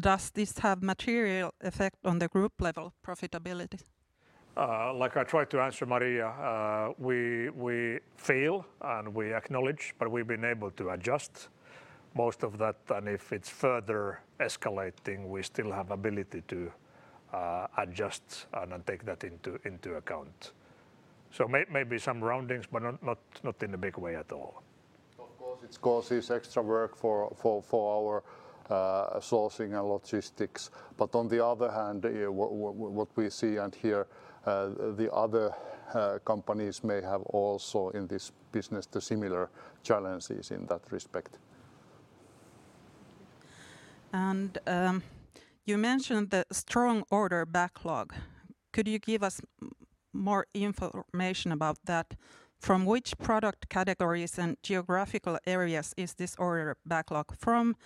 Does this have material effect on the group level profitability? Like I tried to answer, Maria, we feel and we acknowledge, but we've been able to adjust most of that. If it's further escalating, we still have ability to adjust and take that into account. Maybe some roundings, but not in a big way at all. Of course, it causes extra work for our sourcing and logistics. On the other hand, what we see and hear, the other companies may have also in this business the similar challenges in that respect. You mentioned the strong order backlog. Could you give us more information about that? From which product categories and geographical areas is this order backlog from?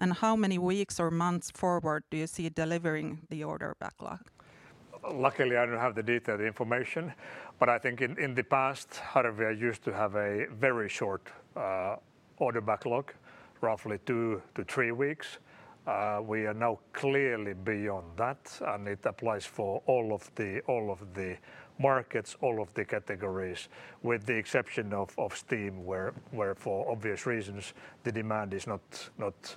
How many weeks or months forward do you see delivering the order backlog? Luckily, I don't have the detailed information, but I think in the past, Harvia used to have a very short order backlog, roughly two to three weeks. We are now clearly beyond that, and it applies for all of the markets, all of the categories, with the exception of steam, where for obvious reasons, the demand is not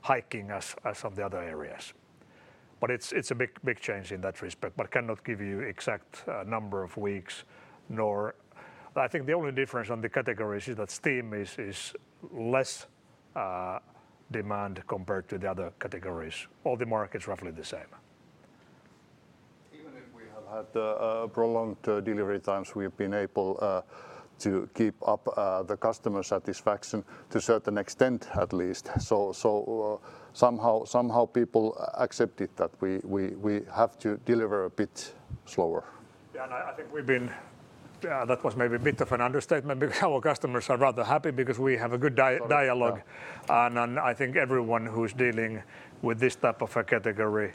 hiking as some of the other areas. It's a big change in that respect, but I cannot give you exact number of weeks. I think the only difference on the categories is that steam is less demand compared to the other categories. All the markets roughly the same. Even if we have had prolonged delivery times, we've been able to keep up the customer satisfaction to a certain extent, at least. Somehow people accept it that we have to deliver a bit slower. Yeah, that was maybe a bit of an understatement because our customers are rather happy because we have a good dialogue. I think everyone who's dealing with this type of a category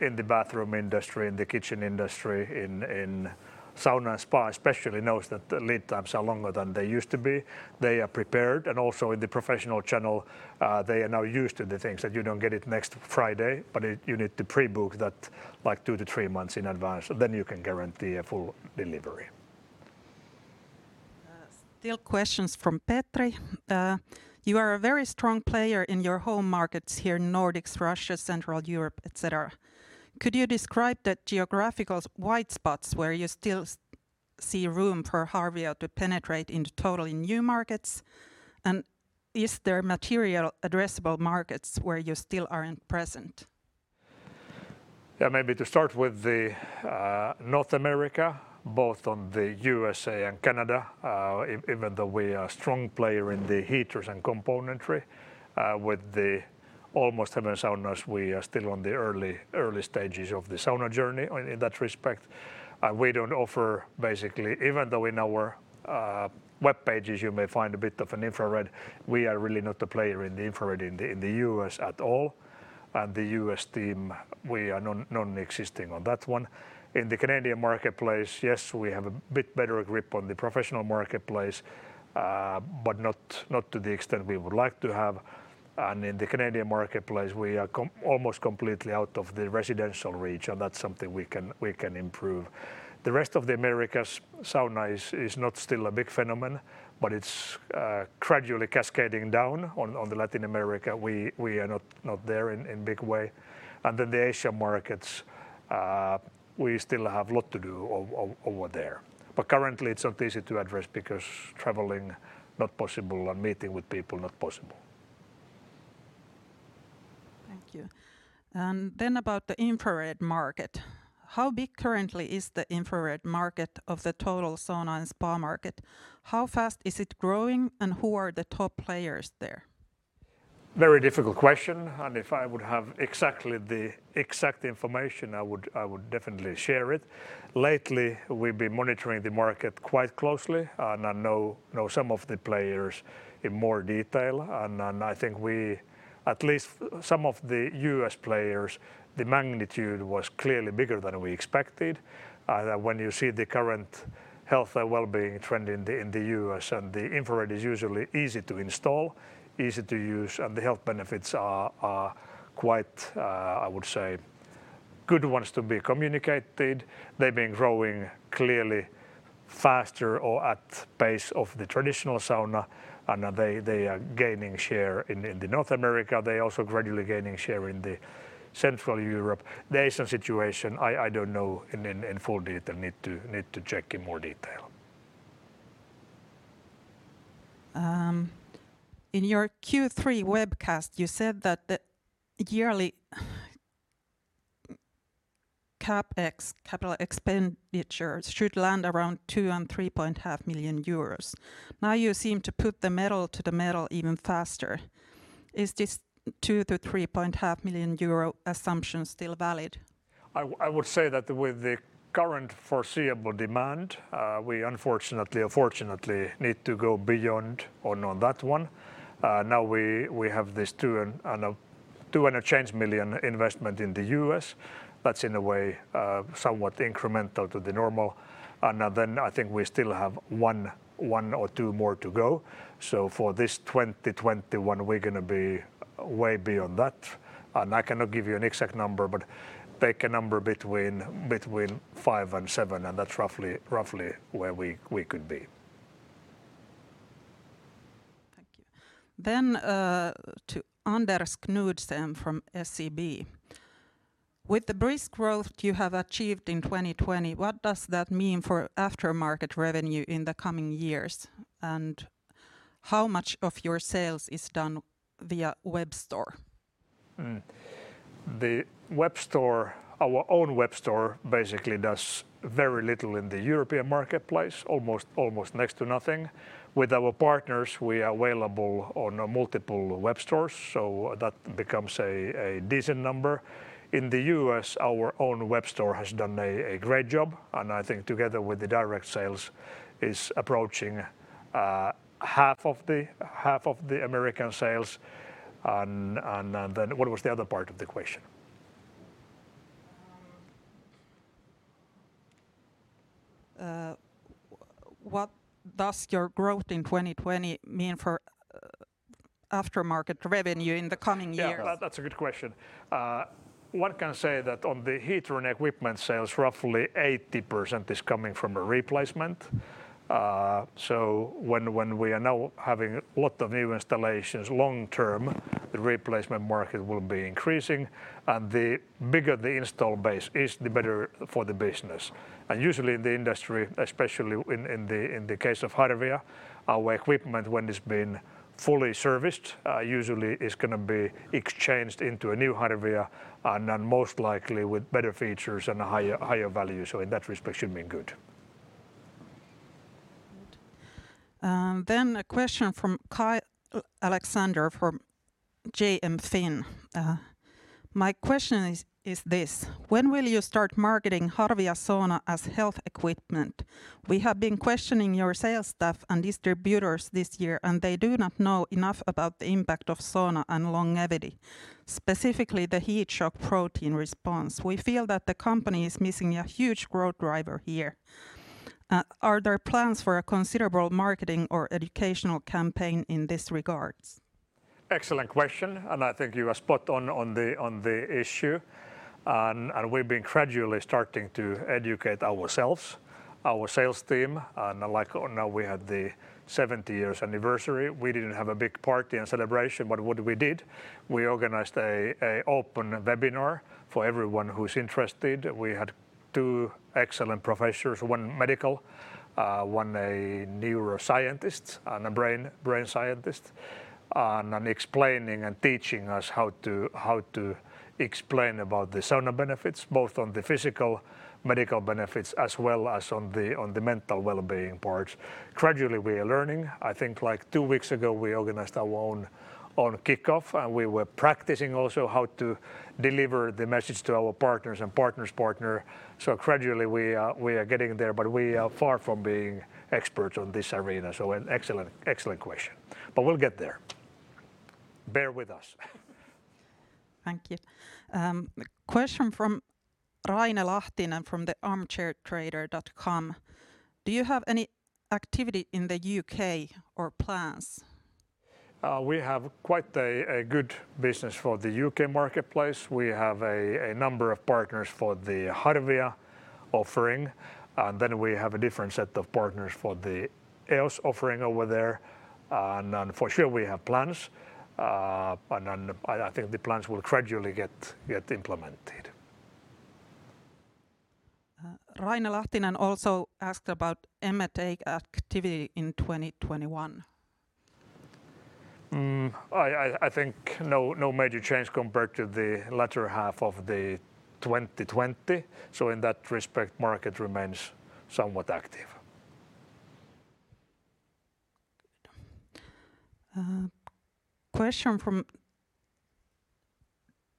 in the bathroom industry, in the kitchen industry, in sauna and spa especially, knows that the lead times are longer than they used to be. They are prepared, and also in the professional channel, they are now used to the things that you don't get it next Friday, but you need to pre-book that two to three months in advance, then you can guarantee a full delivery. Still questions from Petri. You are a very strong player in your home markets here in Nordics, Russia, Central Europe, et cetera. Could you describe the geographical white spots where you still see room for Harvia to penetrate into totally new markets? Is there material addressable markets where you still aren't present? Maybe to start with the North America, both on the U.S.A. and Canada, even though we are a strong player in the heaters and componentry with the Almost Heaven Saunas, we are still on the early stages of the sauna journey in that respect. Even though in our web pages, you may find a bit of an infrared, we are really not a player in the infrared in the U.S. at all. The U.S. team, we are non-existing on that one. In the Canadian marketplace, yes, we have a bit better grip on the professional marketplace, but not to the extent we would like to have. In the Canadian marketplace, we are almost completely out of the residential reach, and that's something we can improve. The rest of the Americas, sauna is not still a big phenomenon, but it's gradually cascading down on the Latin America. We are not there in big way. The Asian markets, we still have a lot to do over there. Currently it's not easy to address because traveling, not possible, and meeting with people, not possible. Thank you. About the infrared market. How big currently is the infrared market of the total sauna and spa market? How fast is it growing and who are the top players there? Very difficult question, and if I would have exact information, I would definitely share it. Lately, we've been monitoring the market quite closely and I know some of the players in more detail. I think at least some of the U.S. players, the magnitude was clearly bigger than we expected. When you see the current health and wellbeing trend in the U.S., and the infrared is usually easy to install, easy to use, and the health benefits are quite, I would say, good ones to be communicated. They've been growing clearly faster or at pace of the traditional sauna, and they are gaining share in the North America. They also gradually gaining share in the Central Europe. The Asian situation, I don't know in full detail. I need to check in more detail. In your Q3 webcast, you said that the yearly CapEx, capital expenditures, should land around two and 3.5 million euros. Now you seem to put the metal to the metal even faster. Is this 2 million-3.5 million euro assumption still valid? I would say that with the current foreseeable demand, we unfortunately or fortunately need to go beyond on that one. We have this 200 change million investment in the U.S. That's in a way somewhat incremental to the normal. I think we still have one or two more to go. For this 2021, we're going to be way beyond that. I cannot give you an exact number, but pick a number between five and seven, and that's roughly where we could be. Thank you. Then to Anders Knudsen from SEB. With the brisk growth you have achieved in 2020, what does that mean for aftermarket revenue in the coming years? How much of your sales is done via web store? Our own web store basically does very little in the European marketplace, almost next to nothing. With our partners, we are available on multiple web stores, so that becomes a decent number. In the U.S., our own web store has done a great job, and I think together with the direct sales, is approaching half of the American sales. Then what was the other part of the question? What does your growth in 2020 mean for aftermarket revenue in the coming years? That's a good question. One can say that on the heater and equipment sales, roughly 80% is coming from a replacement. When we are now having a lot of new installations long term, the replacement market will be increasing, and the bigger the install base is, the better for the business. Usually in the industry, especially in the case of Harvia, our equipment when it's been fully serviced, usually is going to be exchanged into a new Harvia, and then most likely with better features and a higher value. In that respect should be good. Good. A question from Kai Alexander from JM Finn. My question is this. When will you start marketing Harvia sauna as health equipment? We have been questioning your sales staff and distributors this year, and they do not know enough about the impact of sauna on longevity, specifically the heat shock protein response. We feel that the company is missing a huge growth driver here. Are there plans for a considerable marketing or educational campaign in these regards. Excellent question. I think you are spot on on the issue. We've been gradually starting to educate ourselves, our sales team, and now we had the 70 years anniversary. We didn't have a big party and celebration, but what we did, we organized an open webinar for everyone who's interested. We had two excellent professors, one medical, one a neuroscientist and a brain scientist, explaining and teaching us how to explain about the sauna benefits, both on the physical medical benefits as well as on the mental well-being parts. Gradually we are learning. I think two weeks ago, we organized our own kickoff, and we were practicing also how to deliver the message to our partners and partners' partner. Gradually we are getting there, but we are far from being experts on this arena. An excellent question. We'll get there. Bear with us. Thank you. Question from Raine Lahtinen from the armchairtrader.com. Do you have any activity in the U.K. or plans? We have quite a good business for the U.K. marketplace. We have a number of partners for the Harvia offering, and then we have a different set of partners for the EOS offering over there. For sure we have plans, and then I think the plans will gradually get implemented. Raine Lahtinen also asked about M&A activity in 2021. I think no major change compared to the latter half of the 2020. In that respect, market remains somewhat active. Good. Question from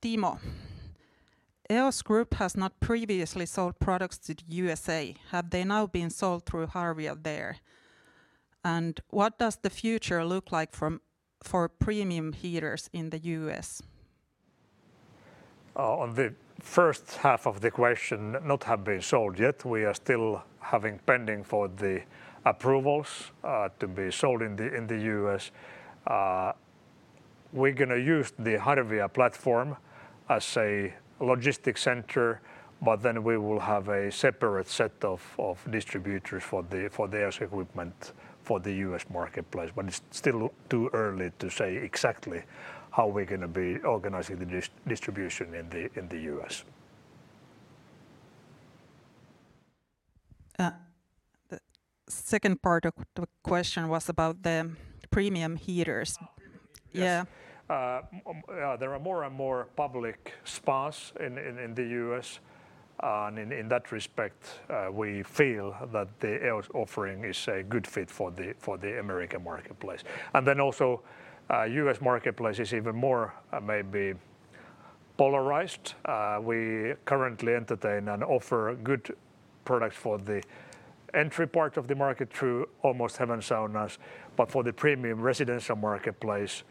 Timo. EOS Group has not previously sold products to U.S.A. Have they now been sold through Harvia there? What does the future look like for premium heaters in the U.S.? On the first half of the question, not have been sold yet. We are still having pending for the approvals to be sold in the U.S. We're going to use the Harvia platform as a logistic center, but then we will have a separate set of distributors for the EOS equipment for the U.S. marketplace. It's still too early to say exactly how we're going to be organizing the distribution in the U.S. The second part of the question was about the premium heaters. Oh, premium heaters. Yeah. There are more and more public spas in the U.S., and in that respect, we feel that the EOS offering is a good fit for the American marketplace. U.S. marketplace is even more maybe polarized. We currently entertain and offer good products for the entry part of the market through Almost Heaven Saunas. For the premium residential marketplace,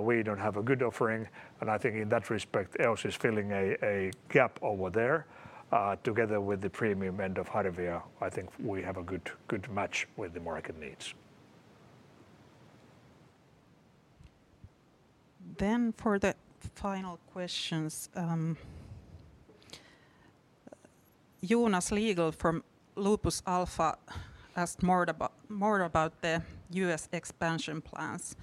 we don't have a good offering, and I think in that respect, EOS is filling a gap over there. Together with the premium end of Harvia, I think we have a good match with the market needs. For the final questions, Jonas Liegl from Lupus alpha asked more about the U.S. expansion plans.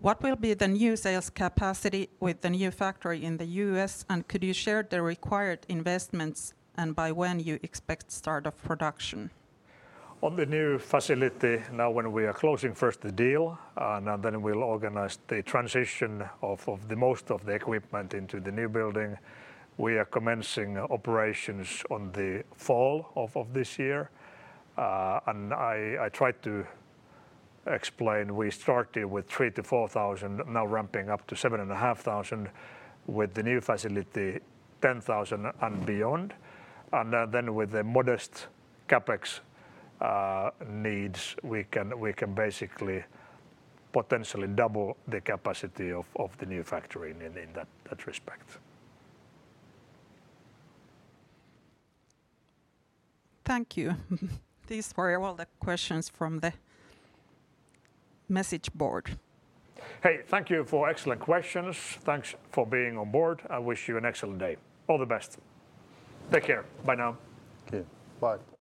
"What will be the new sales capacity with the new factory in the U.S., and could you share the required investments, and by when you expect start of production? On the new facility, now when we are closing first the deal, and then we'll organize the transition of the most of the equipment into the new building. We are commencing operations on the fall of this year. I tried to explain, we started with 3,000-4,000, now ramping up to 7,500. With the new facility, 10,000 and beyond. With the modest CapEx needs, we can basically potentially double the capacity of the new factory in that respect. Thank you. These were all the questions from the message board. Hey, thank you for excellent questions. Thanks for being on board. I wish you an excellent day. All the best. Take care. Bye now. Okay. Bye.